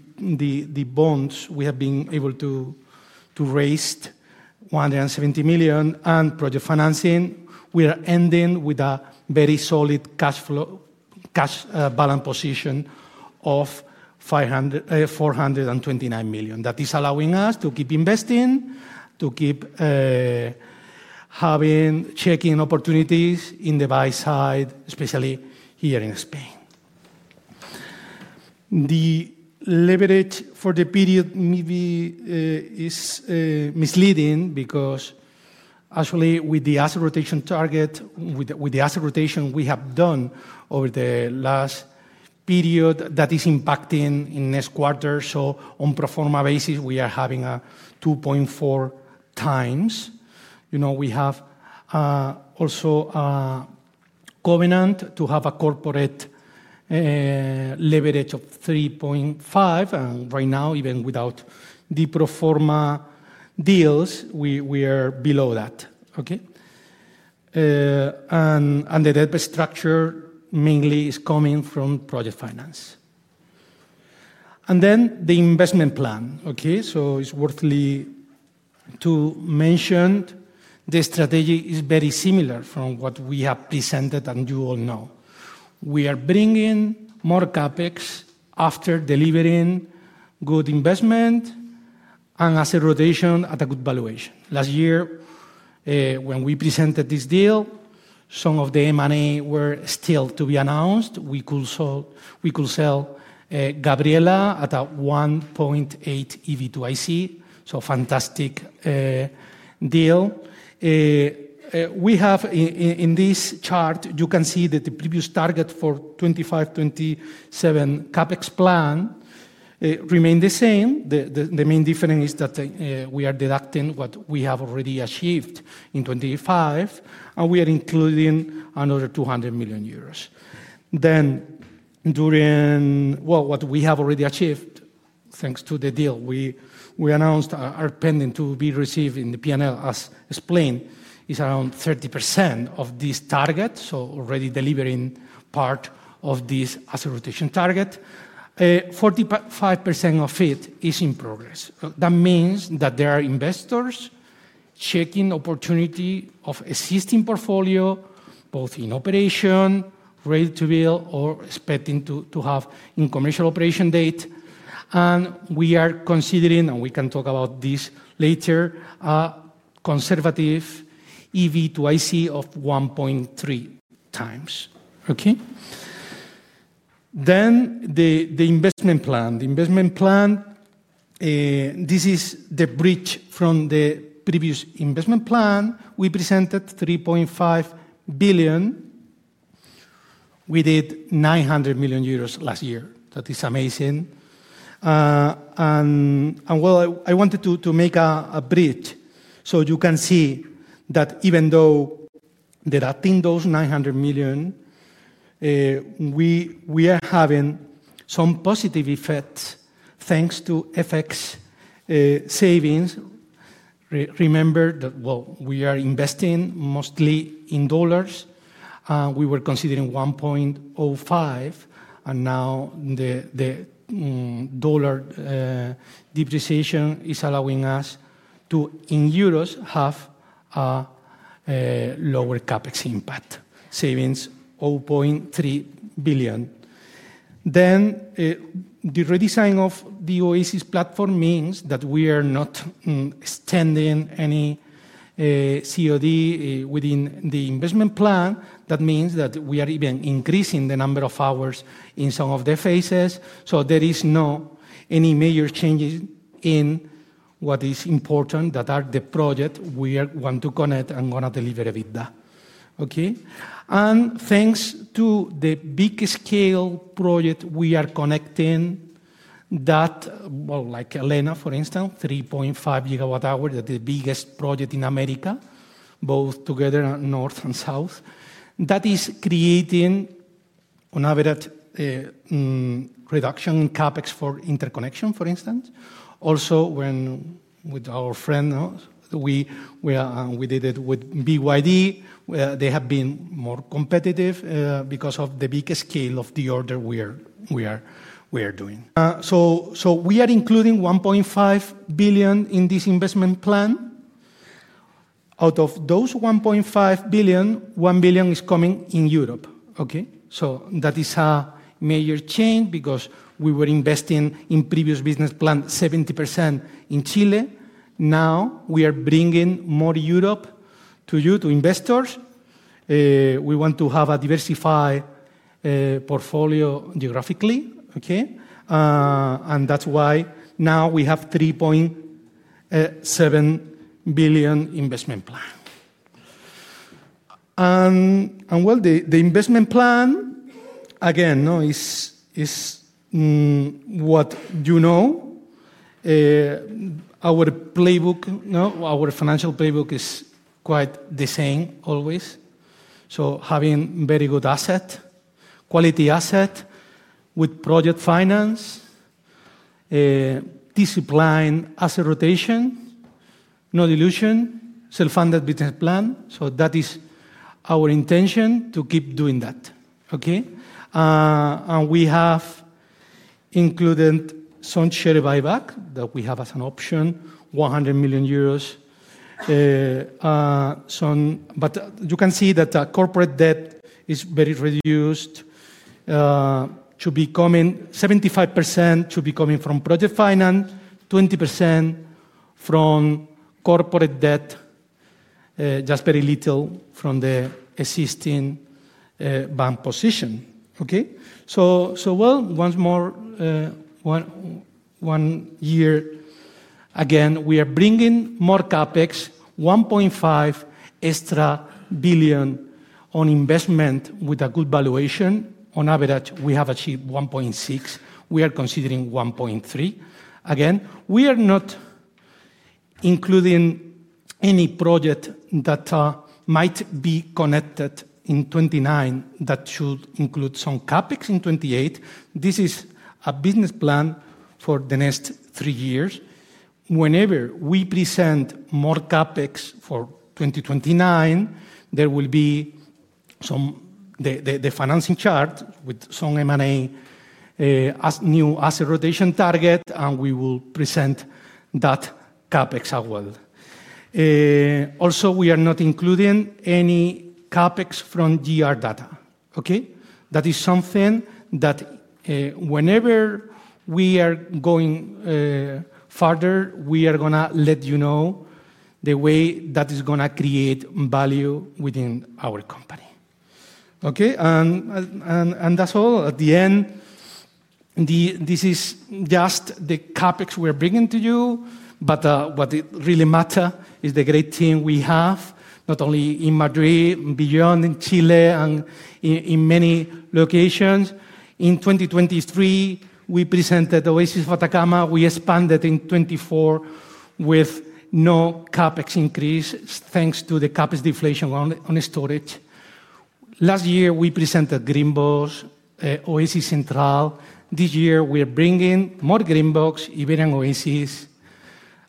bonds, we have been able to raise 170 million and project financing. We are ending with a very solid cash flow, cash balance position of 429 million. That is allowing us to keep investing, to keep checking opportunities in the buy side, especially here in Spain. The leverage for the period maybe is misleading because actually with the asset rotation target, with the asset rotation we have done over the last period, that is impacting in this quarter. On pro forma basis, we are having a 2.4x. We have also a covenant to have a corporate leverage of 3.5, and right now, even without the pro forma deals, we are below that. Okay? The debt structure mainly is coming from project finance. The investment plan. It's worth to mention, the strategy is very similar from what we have presented and you all know. We are bringing more CapEx after delivering good investment and asset rotation at a good valuation. Last year, when we presented this deal, some of the M&A were still to be announced. We could sell Gabriela at a 1.8 EV/IC. Fantastic deal. In this chart, you can see that the previous target for 2025, 2027 CapEx plan remain the same. The main difference is that we are deducting what we have already achieved in 2025. We are including another 200 million euros. What we have already achieved, thanks to the deal, we announced are pending to be received in the P&L as explained, is around 30% of this target. Already delivering part of this asset rotation target. 45% of it is in progress. That means that there are investors checking opportunity of existing portfolio, both in operation, ready to build, or expecting to have in commercial operation date. We are considering, and we can talk about this later, a conservative EV/IC of 1.3x. Okay? The investment plan. The investment plan, this is the bridge from the previous investment plan. We presented 3.5 billion. We did 900 million euros last year. That is amazing. Well, I wanted to make a bridge so you can see that even though deducting those 900 million, we are having some positive effects thanks to FX savings. Remember that, well, we are investing mostly in U.S. dollars. We were considering 1.05, and now the dollar depreciation is allowing us to, in EUR, have a lower CapEx impact savings, 0.3 billion. The redesign of the Oasis platform means that we are not extending any COD within the investment plan. That means that we are even increasing the number of hours in some of the phases. There is not any major changes in what is important, that are the project we want to connect and want to deliver EBITDA. Okay? Thanks to the big scale project we are connecting that, well, like Elena, for instance, 3.5 GWh, the biggest project in America, both together North and South. That is creating on average a reduction in CapEx for interconnection, for instance. Also with our friend, we did it with BYD, where they have been more competitive because of the bigger scale of the order we are doing. We are including 1.5 billion in this investment plan. Out of those 1.5 billion, 1 billion is coming in Europe. Okay? That is a major change because we were investing in previous business plan, 70% in Chile. Now, we are bringing more Europe to you, to investors. We want to have a diversified portfolio geographically, okay? That's why now we have 3.7 billion investment plan. Well, the investment plan, again, is what you know. Our financial playbook is quite the same always. Having very good asset, quality asset with project finance, disciplined asset rotation, no dilution, self-funded business plan. That is our intention to keep doing that. Okay? We have included some share buyback that we have as an option, 100 million euros. You can see that corporate debt is very reduced. 75% to be coming from project finance, 20% from corporate debt, just very little from the existing bank position. Okay? Well, once more, one year again, we are bringing more CapEx, 1.5 billion on investment with a good valuation. On average, we have achieved 1.6. We are considering 1.3. We are not including any project that might be connected in 2029 that should include some CapEx in 2028. This is a business plan for the next three years. Whenever we present more CapEx for 2029, there will be the financing chart with some M&A, a new asset rotation target, and we will present that CapEx as well. We are not including any CapEx from GR Data. Okay? That is something that whenever we are going farther, we are going to let you know the way that is going to create value within our company. Okay? That's all. At the end, this is just the CapEx we're bringing to you, but what really matters is the great team we have, not only in Madrid, beyond in Chile, and in many locations. In 2023, we presented Oasis de Atacama. We expanded in 2024 with no CapEx increase, thanks to the CapEx deflation on storage. Last year, we presented Greenbox, Central Oasis. This year, we're bringing more Greenbox, Iberian Oasis,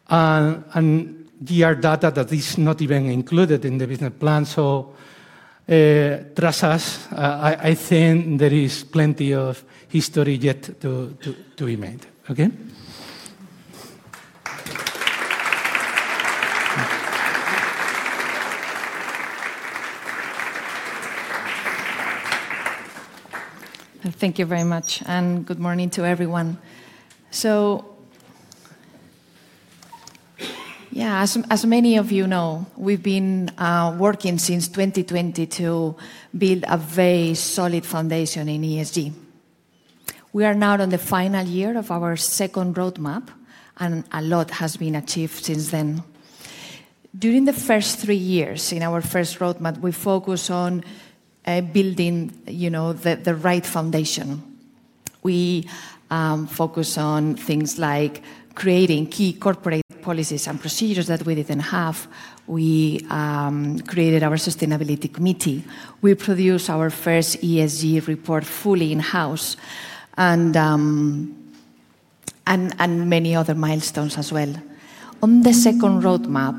and GR Data that is not even included in the business plan. Trust us, I think there is plenty of history yet to be made. Okay? Thank you very much, and good morning to everyone. Yeah, as many of you know, we've been working since 2020 to build a very solid foundation in ESG. We are now on the final year of our second roadmap, and a lot has been achieved since then. During the first three years, in our first roadmap, we focused on building the right foundation. We focused on things like creating key corporate policies and procedures that we didn't have. We created our sustainability committee. We produced our first ESG report fully in-house, and many other milestones as well. On the second roadmap,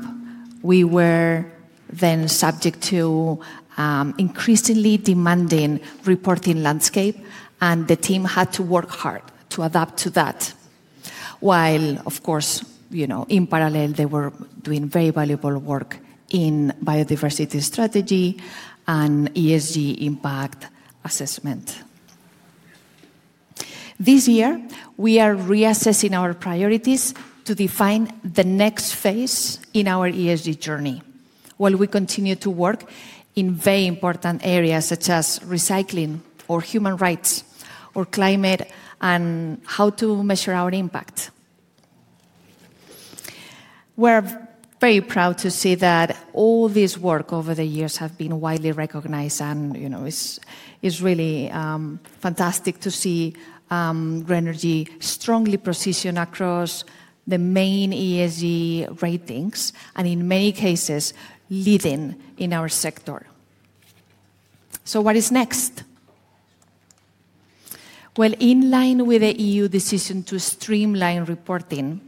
we were then subject to increasingly demanding reporting landscape, and the team had to work hard to adapt to that, while of course, in parallel, they were doing very valuable work in biodiversity strategy and ESG impact assessment. This year, we are reassessing our priorities to define the next phase in our ESG journey, while we continue to work in very important areas, such as recycling or human rights or climate, and how to measure our impact. We are very proud to see that all this work over the years has been widely recognized, and it is really fantastic to see Grenergy strongly positioned across the main ESG ratings, and in many cases, leading in our sector. What is next? Well, in line with the EU decision to streamline reporting,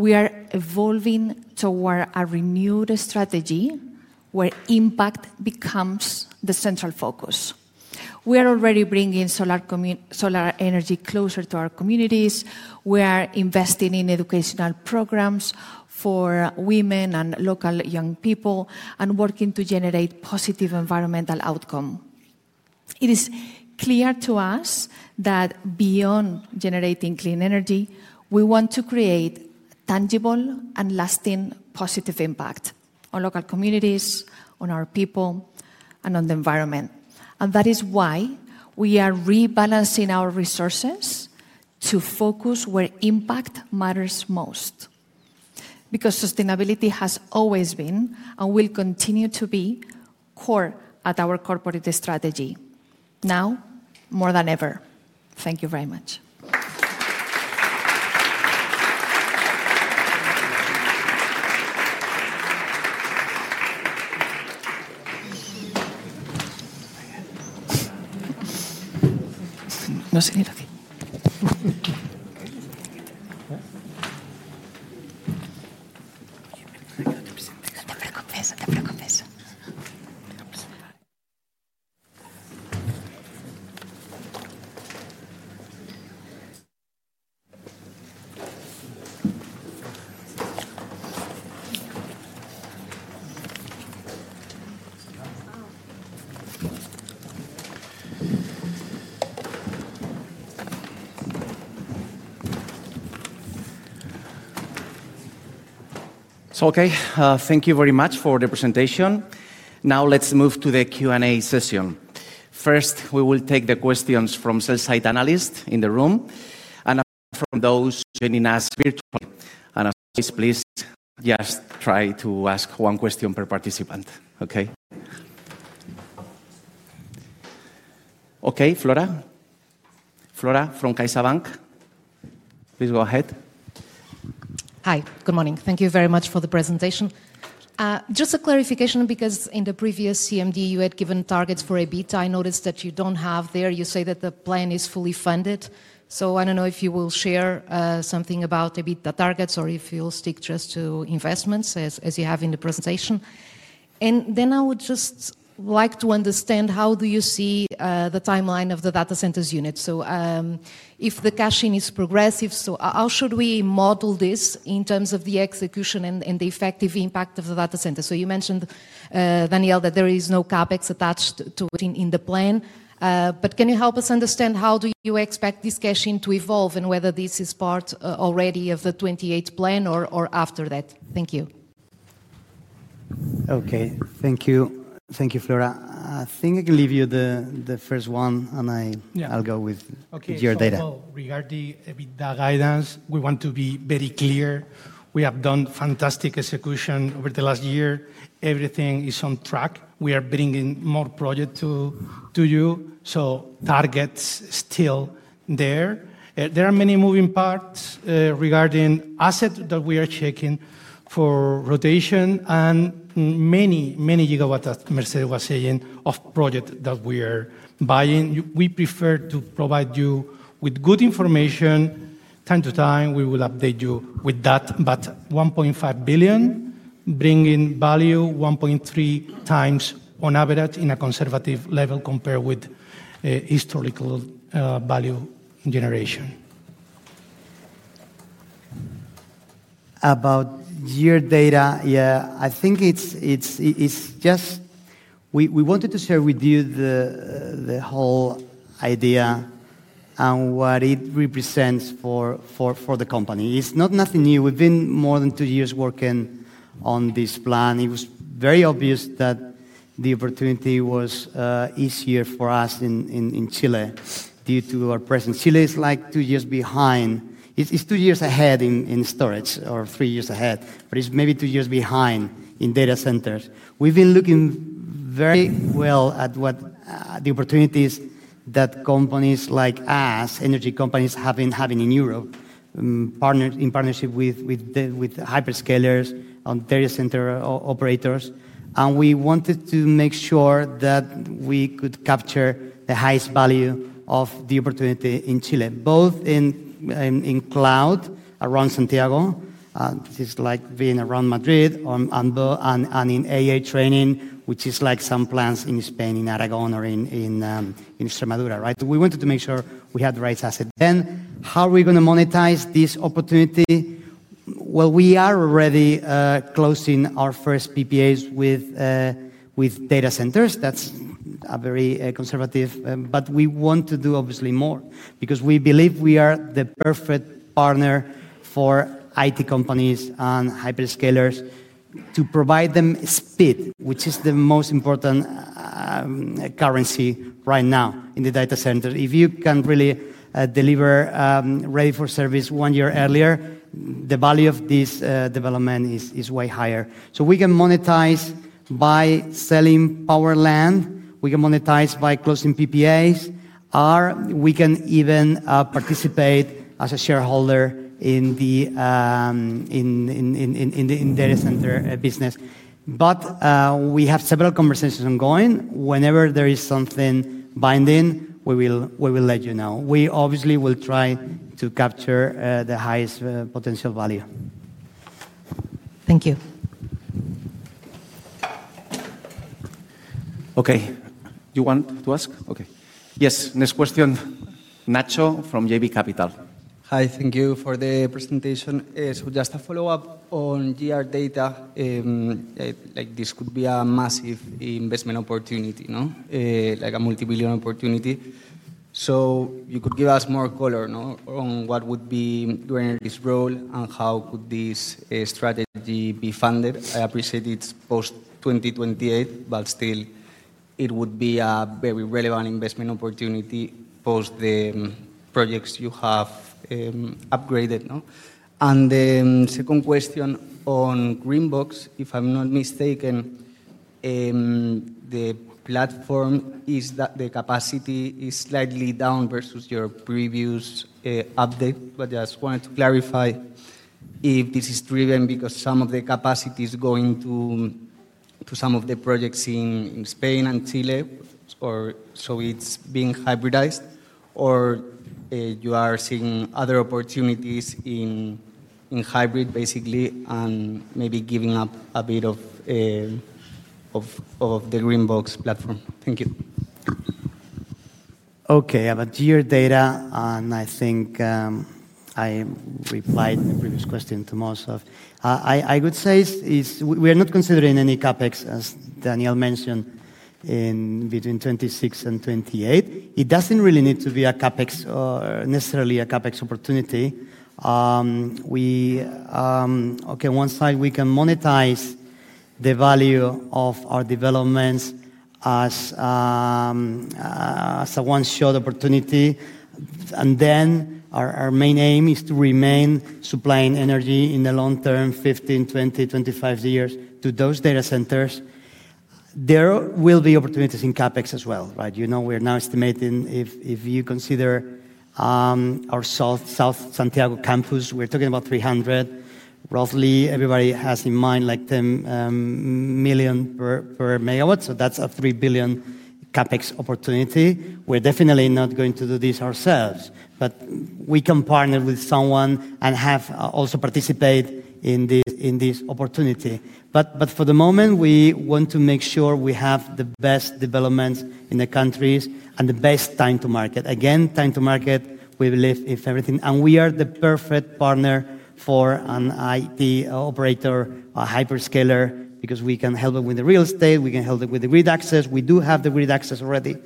we are evolving toward a renewed strategy where impact becomes the central focus. We are already bringing solar energy closer to our communities. We are investing in educational programs for women and local young people and working to generate positive environmental outcome. It is clear to us that beyond generating clean energy, we want to create tangible and lasting positive impact on local communities, on our people, and on the environment. That is why we are rebalancing our resources to focus where impact matters most, because sustainability has always been, and will continue to be, core at our corporate strategy, now more than ever. Thank you very much. Okay. Thank you very much for the presentation. Let's move to the Q&A session. First, we will take the questions from sell-side analysts in the room, and from those joining us virtually. Please, just try to ask one question per participant. Okay? Okay, Flora. Flora from CaixaBank, please go ahead. Hi. Good morning. Thank you very much for the presentation. A clarification, because in the previous CMD, you had given targets for EBITDA. I noticed that you don't have there. You say that the plan is fully funded. I don't know if you will share something about EBITDA targets, or if you'll stick just to investments as you have in the presentation. I would just like to understand how do you see the timeline of the data centers unit. If the cash-in is progressive, how should we model this in terms of the execution and the effective impact of the data center? You mentioned, Daniel, that there is no CapEx attached to it in the plan. Can you help us understand how do you expect this cash-in to evolve, and whether this is part already of the 2028 plan or after that? Thank you. Okay. Thank you, Flora. I think I can leave you the first one. Yeah I'll go with your data. Regarding EBITDA guidance, we want to be very clear. We have done fantastic execution over the last year. Everything is on track. We are bringing more project to you, so targets still there. There are many moving parts regarding asset that we are checking for rotation, and many gigawatts, Mercedes was saying, of project that we are buying. We prefer to provide you with good information. Time-to-time, we will update you with that. 1.5 billion, bringing value 1.3x on average in a conservative level compared with historical value generation. About GR Data, yeah, we wanted to share with you the whole idea and what it represents for the company. It's nothing new. We've been more than two years working on this plan. It was very obvious that the opportunity was easier for us in Chile due to our presence. Chile is two years ahead in storage or three years ahead, it's maybe two years behind in data centers. We've been looking very well at the opportunities that companies like us, energy companies, have been having in Europe, in partnership with hyperscalers and data center operators. We wanted to make sure that we could capture the highest value of the opportunity in Chile, both in cloud around Santiago. This is like being around Madrid, and in AI training, which is like some plants in Spain, in Aragon or in Extremadura. We wanted to make sure we had the right asset. How are we going to monetize this opportunity? We are already closing our first PPAs with data centers. That's very conservative, but we want to do obviously more because we believe we are the perfect partner for IT companies and hyperscalers to provide them speed, which is the most important currency right now in the data center. If you can really deliver ready for service one year earlier, the value of this development is way higher. We can monetize by selling power land, we can monetize by closing PPAs, or we can even participate as a shareholder in the data center business. We have several conversations ongoing. Whenever there is something binding, we will let you know. We obviously will try to capture the highest potential value. Thank you. Okay. You want to ask? Okay. Yes. Next question, Nacho from JB Capital. Hi, thank you for the presentation. Just a follow-up on GR Data. This could be a massive investment opportunity, no? A multi-billion opportunity. You could give us more color on what would be Grenergy's role, and how could this strategy be funded? I appreciate it's post-2028, but still, it would be a very relevant investment opportunity post the projects you have upgraded. The second question on Greenbox, if I'm not mistaken, the platform, the capacity is slightly down versus your previous update. I just wanted to clarify if this is driven because some of the capacity is going to some of the projects in Spain and Chile, so it's being hybridized. You are seeing other opportunities in hybrid, basically, and maybe giving up a bit of the Greenbox platform. Thank you. Okay. About GR Data, I think I replied the previous question to most of. I would say we are not considering any CapEx, as Daniel mentioned, between 2026 and 2028. It doesn't really need to be necessarily a CapEx opportunity. Okay, one side, we can monetize the value of our developments as a one-shot opportunity. Our main aim is to remain supplying energy in the long term, 15, 20, 25 years to those data centers. There will be opportunities in CapEx as well, right? We're now estimating if you consider our South Santiago campus, we're talking about 300. Roughly everybody has in mind like $10 million per MW, that's a $3 billion CapEx opportunity. We're definitely not going to do this ourselves, we can partner with someone and have also participate in this opportunity. For the moment, we want to make sure we have the best developments in the countries and the best time to market. Again, time to market, we believe. We are the perfect partner for an IT operator, a hyperscaler, because we can help them with the real estate, we can help them with the grid access. We do have the grid access already.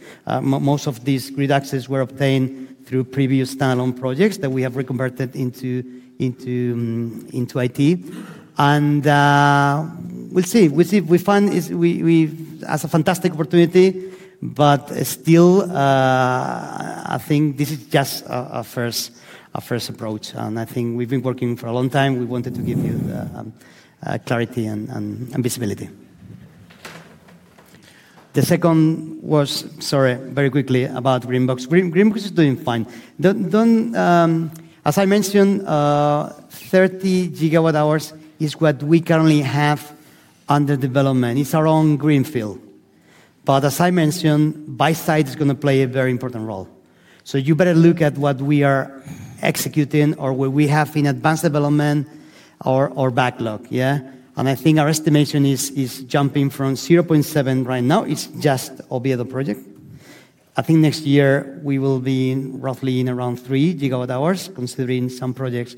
Most of these grid access were obtained through previous standalone projects that we have reconverted into IT. We'll see. We find it as a fantastic opportunity, but still, I think this is just our first approach, and I think we've been working for a long time. We wanted to give you clarity and visibility. The second was, sorry, very quickly about Greenbox. Greenbox is doing fine. As I mentioned, 30 GWh is what we currently have under development. It's our own greenfield. As I mentioned, buy side is going to play a very important role. You better look at what we are executing or what we have in advanced development or backlog. Yeah. I think our estimation is jumping from 0.7 right now. It's just Oviedo project. I think next year we will be roughly in around 3 GWh, considering some projects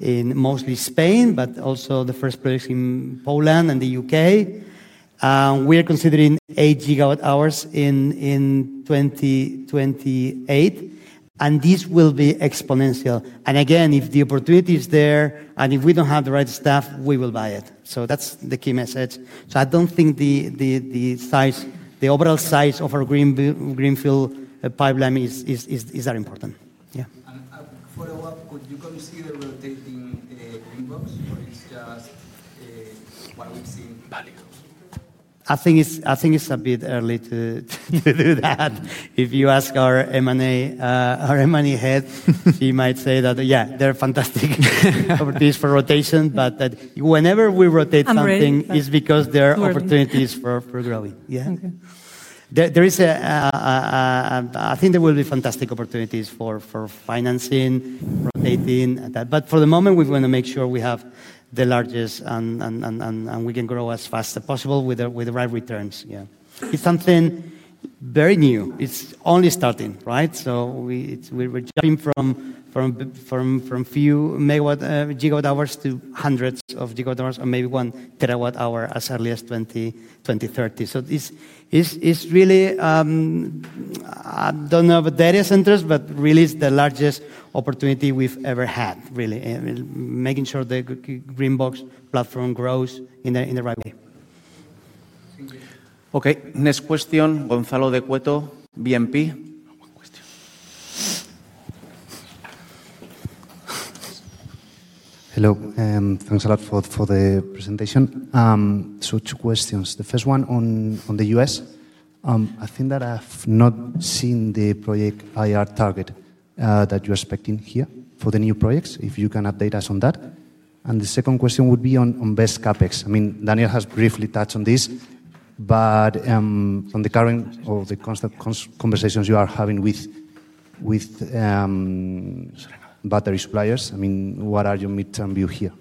in mostly Spain, but also the first projects in Poland and the U.K. We are considering 8 GWh in 2028, and this will be exponential. Again, if the opportunity is there, and if we don't have the right stuff, we will buy it. That's the key message. I don't think the overall size of our greenfield pipeline is that important. Yeah. A follow-up, would you consider rotating Greenbox, or it's just what we've seen? I think it's a bit early to do that. If you ask our M&A head, she might say that, yeah, they're fantastic opportunities for rotation, but whenever we rotate something. Is because there are opportunities for growing. Yeah. I think there will be fantastic opportunities for financing, rotating and that. For the moment, we want to make sure we have the largest, and we can grow as fast as possible with the right returns, yeah. It's something very new. It's only starting, right? We're jumping from few gigawatt hours to hundreds of gigawatt hours or maybe 1 TWh as early as 2030. It's really, I don't know about data centers, but really, it's the largest opportunity we've ever had, really. Making sure the Greenbox platform grows in the right way. Okay. Next question, Gonzalo de Cueto, BNP. Hello, and thanks a lot for the presentation. Two questions. The first one on the U.S. I think that I've not seen the project IR target that you're expecting here for the new projects. If you can update us on that? The second question would be on BESS CapEx. Daniel has briefly touched on this. From the current or the conversations you are having with battery suppliers, what are your midterm view here?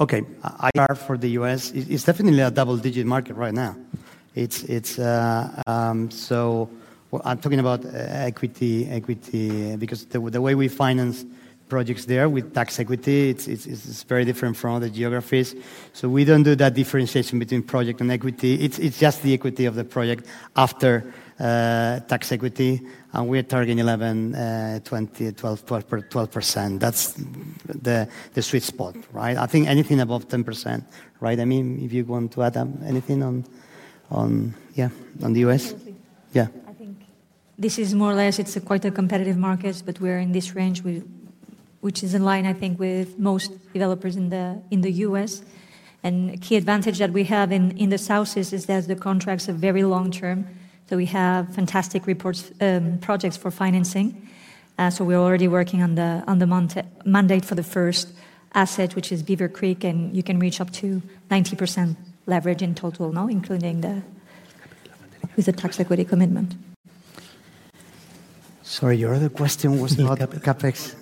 Okay. IR for the U.S. is definitely a double-digit market right now. I'm talking about equity because the way we finance projects there with tax equity, it's very different from other geographies. We don't do that differentiation between project and equity. It's just the equity of the project after tax equity, and we're targeting 11, 20, 12%. That's the sweet spot, right? I think anything above 10%, right? If you want to add anything on, yeah, on the U.S.? Absolutely. Yeah. I think this is more or less, it's quite a competitive market, but we are in this range, which is in line, I think, with most developers in the U.S. A key advantage that we have in the South is that the contracts are very long-term, so we have fantastic projects for financing. We're already working on the mandate for the first asset, which is Beaver Creek. You can reach up to 90% leverage in total now. Capital with the tax equity commitment. Sorry, your other question was about CapEx?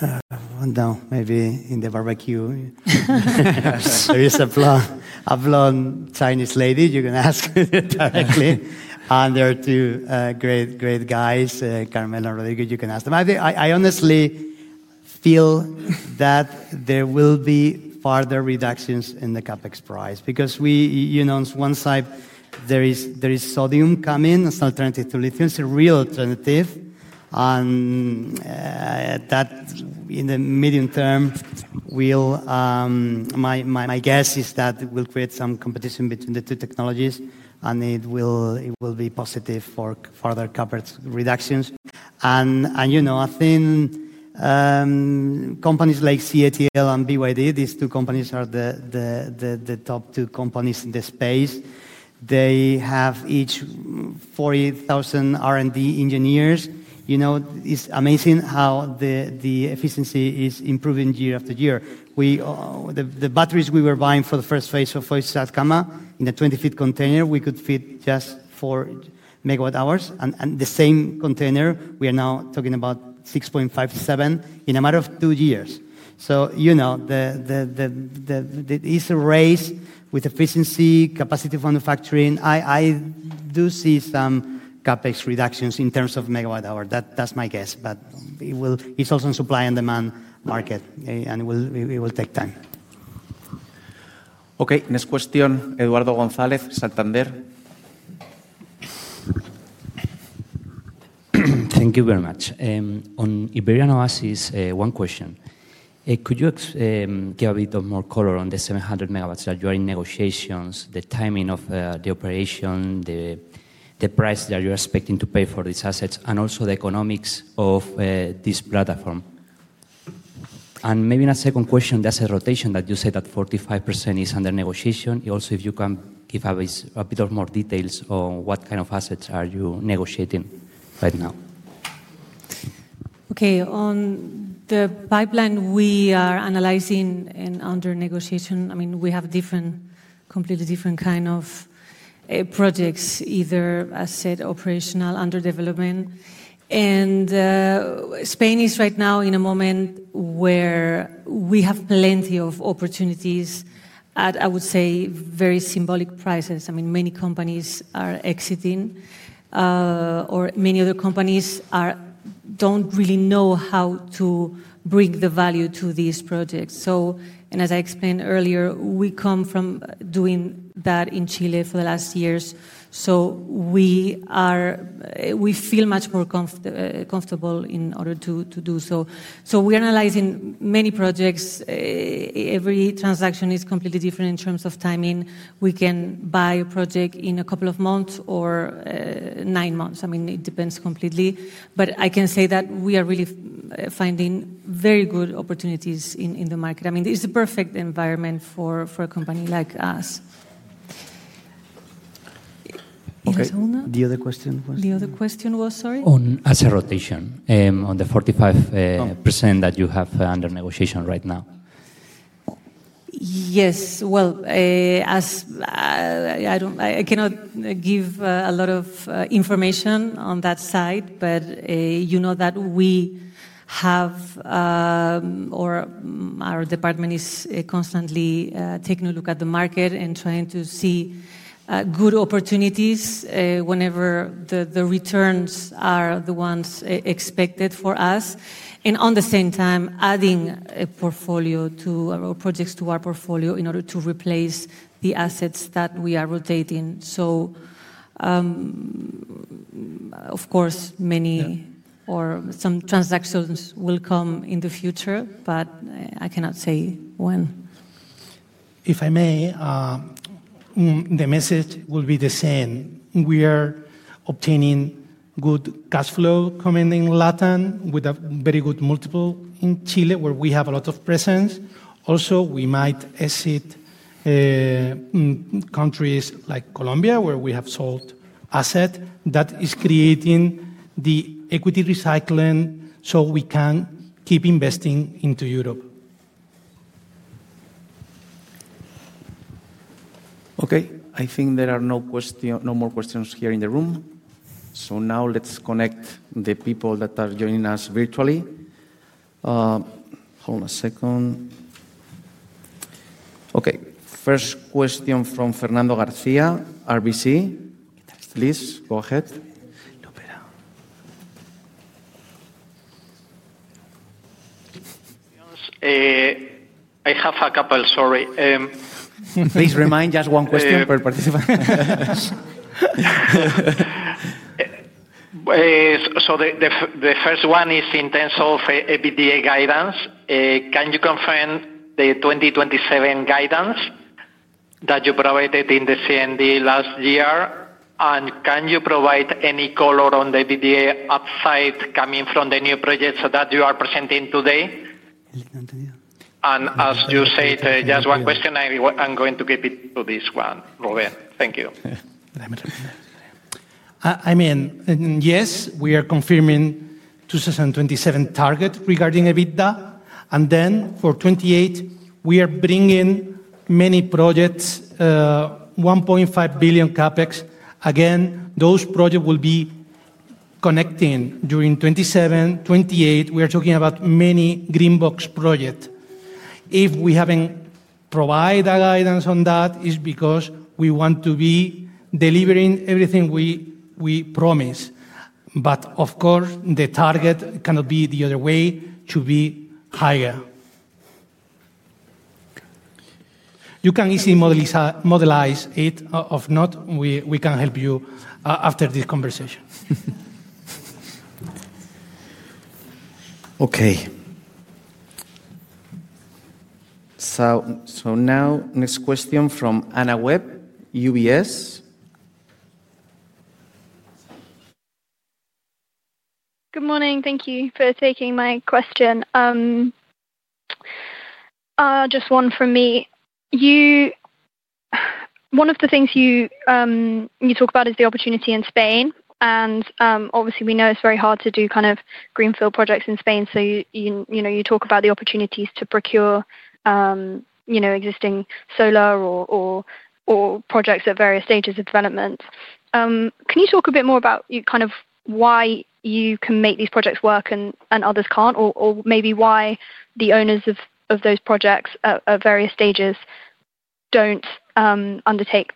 I don't know. Maybe in the barbecue. There is a blonde Chinese lady you can ask directly, and there are two great guys, Carmelo, Rodrigo, you can ask them. I honestly feel that there will be further reductions in the CapEx price. On one side, there is sodium coming as alternative to lithium. It's a real alternative, and that, in the medium term, my guess is that it will create some competition between the two technologies, and it will be positive for further CapEx reductions. I think companies like CATL and BYD, these two companies are the top two companies in the space. They have each 40,000 R&D engineers. It's amazing how the efficiency is improving year after year. The batteries we were buying for the first phase of Hoyos Azucena, in a 20-feet container, we could fit just 4 MWh. The same container, we are now talking about 6.57 in a matter of two years. It's a race with efficiency, capacity for manufacturing. I do see some CapEx reductions in terms of megawatts-hour. That's my guess. It's also in supply and demand market, and it will take time. Okay. Next question, Eduardo González, Santander. Thank you very much. On Iberian Oasis, one question. Could you give a bit of more color on the 700 MW that you are in negotiations, the timing of the operation, the price that you are expecting to pay for these assets, and also the economics of this platform? Maybe in a second question, that's an asset rotation that you said that 45% is under negotiation. Also, if you can give a bit more details on what kind of assets are you negotiating right now? Okay. On the pipeline we are analyzing and under negotiation, we have completely different kind of projects, either asset, operational, under development. Spain is right now in a moment where we have plenty of opportunities at, I would say, very symbolic prices. Many companies are exiting, or many other companies don't really know how to bring the value to these projects. As I explained earlier, we come from doing that in Chile for the last years, so we feel much more comfortable in order to do so. We're analyzing many projects. Every transaction is completely different in terms of timing. We can buy a project in a couple of months or nine months. It depends completely. I can say that we are really finding very good opportunities in the market. It's the perfect environment for a company like us. Was that all now? Okay. The other question was? The other question was, sorry? On asset rotation, on the 45%. That you have under negotiation right now. Yes. Well, I cannot give a lot of information on that side. You know that our department is constantly taking a look at the market and trying to see good opportunities whenever the returns are the ones expected for us. At the same time, adding projects to our portfolio in order to replace the assets that we are rotating. Of course. Some transactions will come in the future, but I cannot say when. If I may, the message will be the same. We are obtaining good cash flow coming in Latin with a very good multiple in Chile, where we have a lot of presence. Also, we might exit countries like Colombia, where we have sold asset that is creating the equity recycling, so we can keep investing into Europe. Okay, I think there are no more questions here in the room. Now let's connect the people that are joining us virtually. Hold on a second. Okay. First question from Fernando Garcia, RBC. Please, go ahead. I have a couple, sorry. Please remind just one question per participant. The first one is in terms of EBITDA guidance. Can you confirm the 2027 guidance that you provided in the CMD last year? Can you provide any color on the EBITDA upside coming from the new projects that you are presenting today? As you said, just one question, I am going to keep it to this one. Thank you. Yes, we are confirming 2027 target regarding EBITDA. Then for 2028, we are bringing many projects, 1.5 billion CapEx. Again, those project will be connecting during 2027, 2028. We are talking about many Greenbox projects. If we haven't provided guidance on that, it's because we want to be delivering everything we promise. Of course, the target cannot be the other way, to be higher. You can easily modelize it. If not, we can help you after this conversation. Okay. Now, next question from Anna Webb, UBS. Good morning. Thank you for taking my question. Just one from me. One of the things you talk about is the opportunity in Spain. Obviously, we know it's very hard to do greenfield projects in Spain. You talk about the opportunities to procure existing solar or projects at various stages of development. Can you talk a bit more about why you can make these projects work and others can't? Maybe why the owners of those projects at various stages don't undertake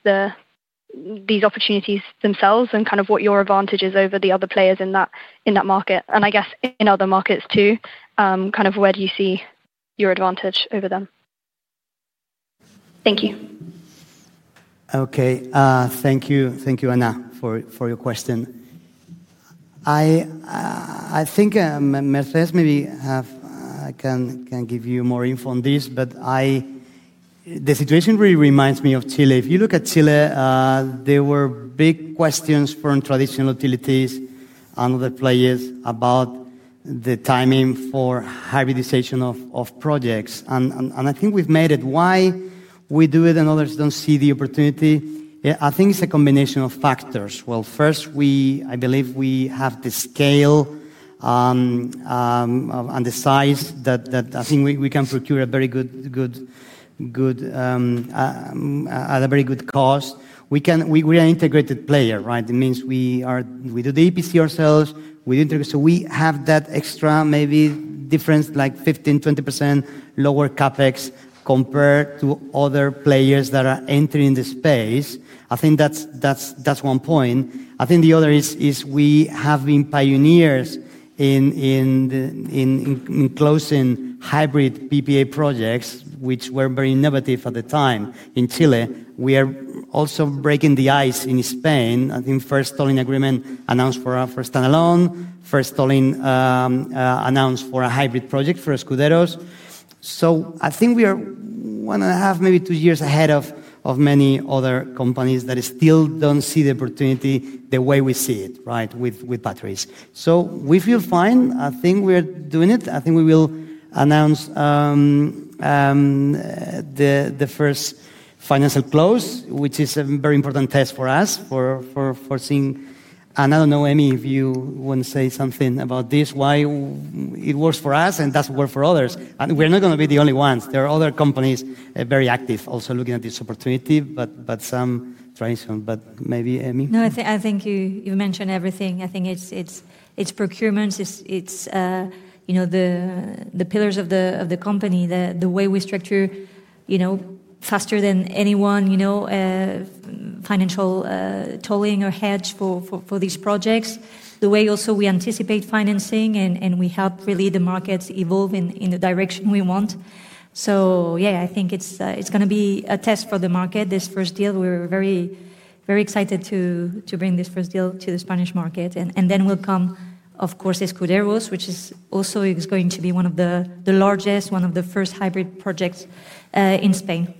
these opportunities themselves, and what your advantage is over the other players in that market? I guess in other markets, too, where do you see your advantage over them? Thank you. Okay. Thank you, Anna, for your question. I think Mercedes maybe can give you more info on this, but the situation really reminds me of Chile. If you look at Chile, there were big questions from traditional utilities and other players about the timing for hybridization of projects, and I think we've made it. Why we do it and others don't see the opportunity, I think it's a combination of factors. Well, first, I believe we have the scale and the size that I think we can procure at a very good cost. We are an integrated player, right? It means we do the EPC ourselves. We have that extra, maybe difference, 15%-20% lower CapEx compared to other players that are entering the space. I think that's one point. I think the other is we have been pioneers in closing hybrid PPA projects, which were very innovative at the time in Chile. We are also breaking the ice in Spain. I think first tolling agreement announced for our first standalone, first tolling announced for a hybrid project for Escuderos. I think we are one and a half, maybe two years ahead of many other companies that still don't see the opportunity the way we see it, right, with batteries. We feel fine. I think we're doing it. I think we will announce the first financial close, which is a very important test for us, for seeing. I don't know, Emi, if you want to say something about this, why it works for us and doesn't work for others. We're not going to be the only ones. There are other companies very active also looking at this opportunity, some transition. Maybe, Emi? No, I think you mentioned everything. I think it's procurements, it's the pillars of the company, the way we structure faster than anyone, financial tolling or hedge for these projects. The way also we anticipate financing, and we help really the markets evolve in the direction we want. Yeah, I think it's going to be a test for the market, this first deal. We're very excited to bring this first deal to the Spanish market. Will come, of course, Escuderos, which is also going to be one of the largest, one of the first hybrid projects in Spain.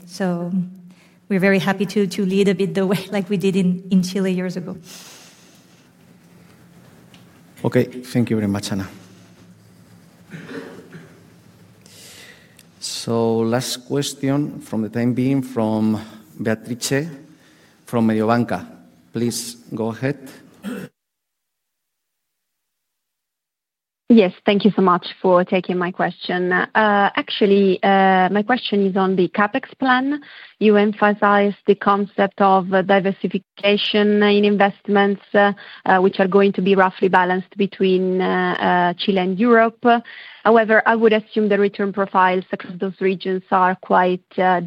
We're very happy to lead a bit the way like we did in Chile years ago. Okay. Thank you very much, Anna. Last question, for the time being, from Beatrice from Mediobanca. Please go ahead. Yes. Thank you so much for taking my question. Actually, my question is on the CapEx plan. You emphasized the concept of diversification in investments, which are going to be roughly balanced between Chile and Europe. I would assume the return profiles across those regions are quite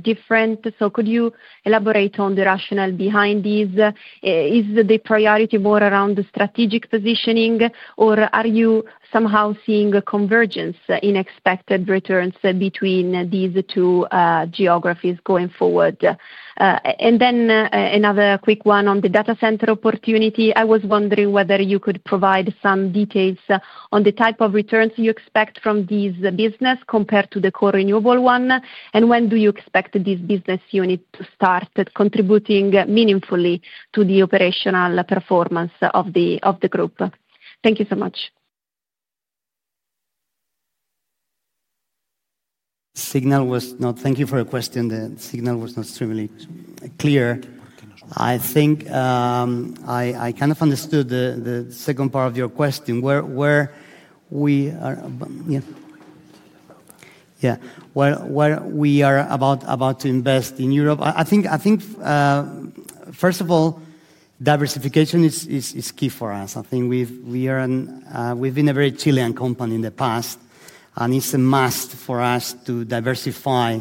different. Could you elaborate on the rationale behind these? Is the priority more around the strategic positioning, or are you somehow seeing a convergence in expected returns between these two geographies going forward? Another quick one on the data center opportunity. I was wondering whether you could provide some details on the type of returns you expect from this business compared to the core renewable one, and when do you expect this business unit to start contributing meaningfully to the operational performance of the group? Thank you so much. Thank you for your question. The signal was not extremely clear. I think I kind of understood the second part of your question, where we are about to invest in Europe. First of all, diversification is key for us. I think we've been a very Chilean company in the past, it's a must for us to diversify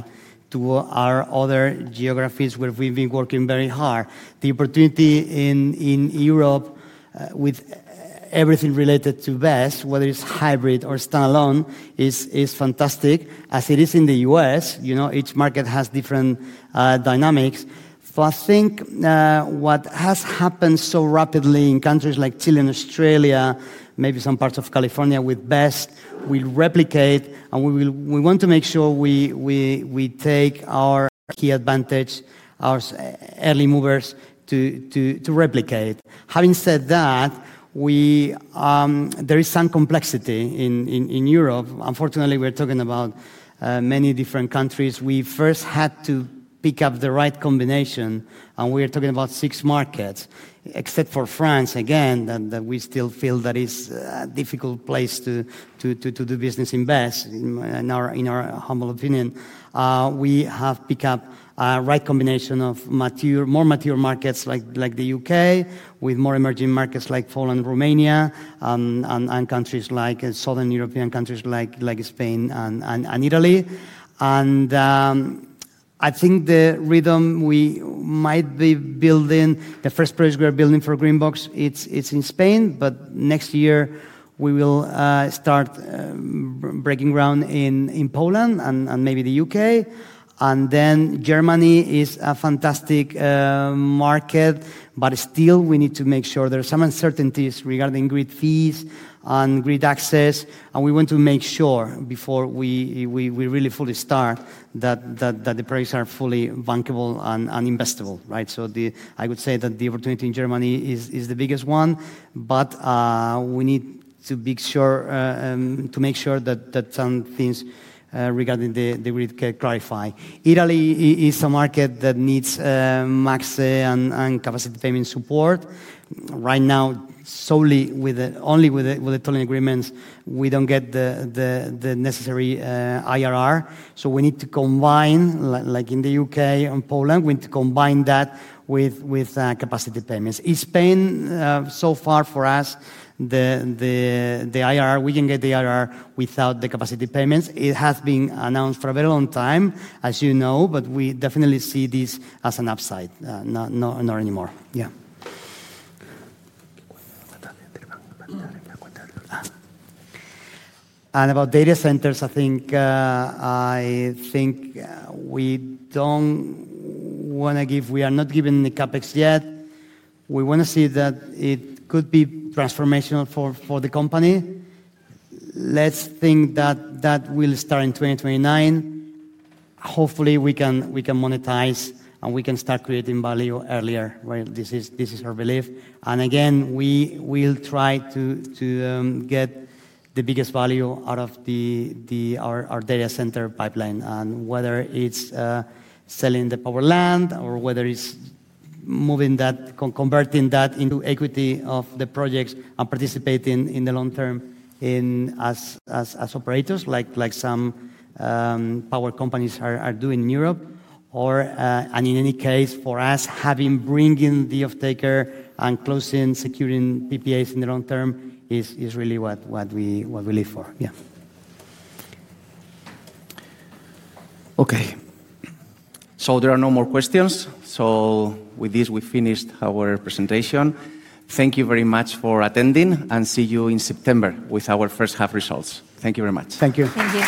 to our other geographies where we've been working very hard. The opportunity in Europe with everything related to BESS, whether it's hybrid or standalone, is fantastic, as it is in the U.S. Each market has different dynamics. I think what has happened so rapidly in countries like Chile and Australia, maybe some parts of California, with BESS, we replicate, we want to make sure we take our key advantage, as early movers, to replicate. Having said that, there is some complexity in Europe. Unfortunately, we're talking about many different countries. We first had to pick up the right combination, and we are talking about six markets, except for France, again, that we still feel that is a difficult place to do business in BESS, in our humble opinion. We have picked up a right combination of more mature markets like the U.K., with more emerging markets like Poland, Romania, and southern European countries like Spain and Italy. I think the rhythm we might be building, the first project we are building for Greenbox, it's in Spain. Next year, we will start breaking ground in Poland and maybe the U.K. Then Germany is a fantastic market. Still, we need to make sure. There's some uncertainties regarding grid fees and grid access, and we want to make sure before we really fully start that the projects are fully bankable and investable. I would say that the opportunity in Germany is the biggest one, but we need to make sure that some things regarding the grid get clarified. Italy is a market that needs max and capacity payment support. Right now, only with the tolling agreements, we don't get the necessary IRR. We need to combine, like in the U.K. and Poland, we need to combine that with capacity payments. In Spain, so far for us, we can get the IRR without the capacity payments. It has been announced for a very long time, as you know, but we definitely see this as an upside, not anymore. About data centers, I think we are not giving the CapEx yet. We want to see that it could be transformational for the company. Let's think that that will start in 2029. Hopefully, we can monetize, and we can start creating value earlier. This is our belief. Again, we will try to get the biggest value out of our data center pipeline, and whether it's selling the power land or whether it's converting that into equity of the projects and participating in the long term as operators like some power companies are doing in Europe. In any case, for us, bringing the offtaker and closing, securing PPAs in the long term is really what we live for. Yeah. Okay. There are no more questions. With this, we've finished our presentation. Thank you very much for attending, and see you in September with our first half results. Thank you very much. Thank you. Thank you.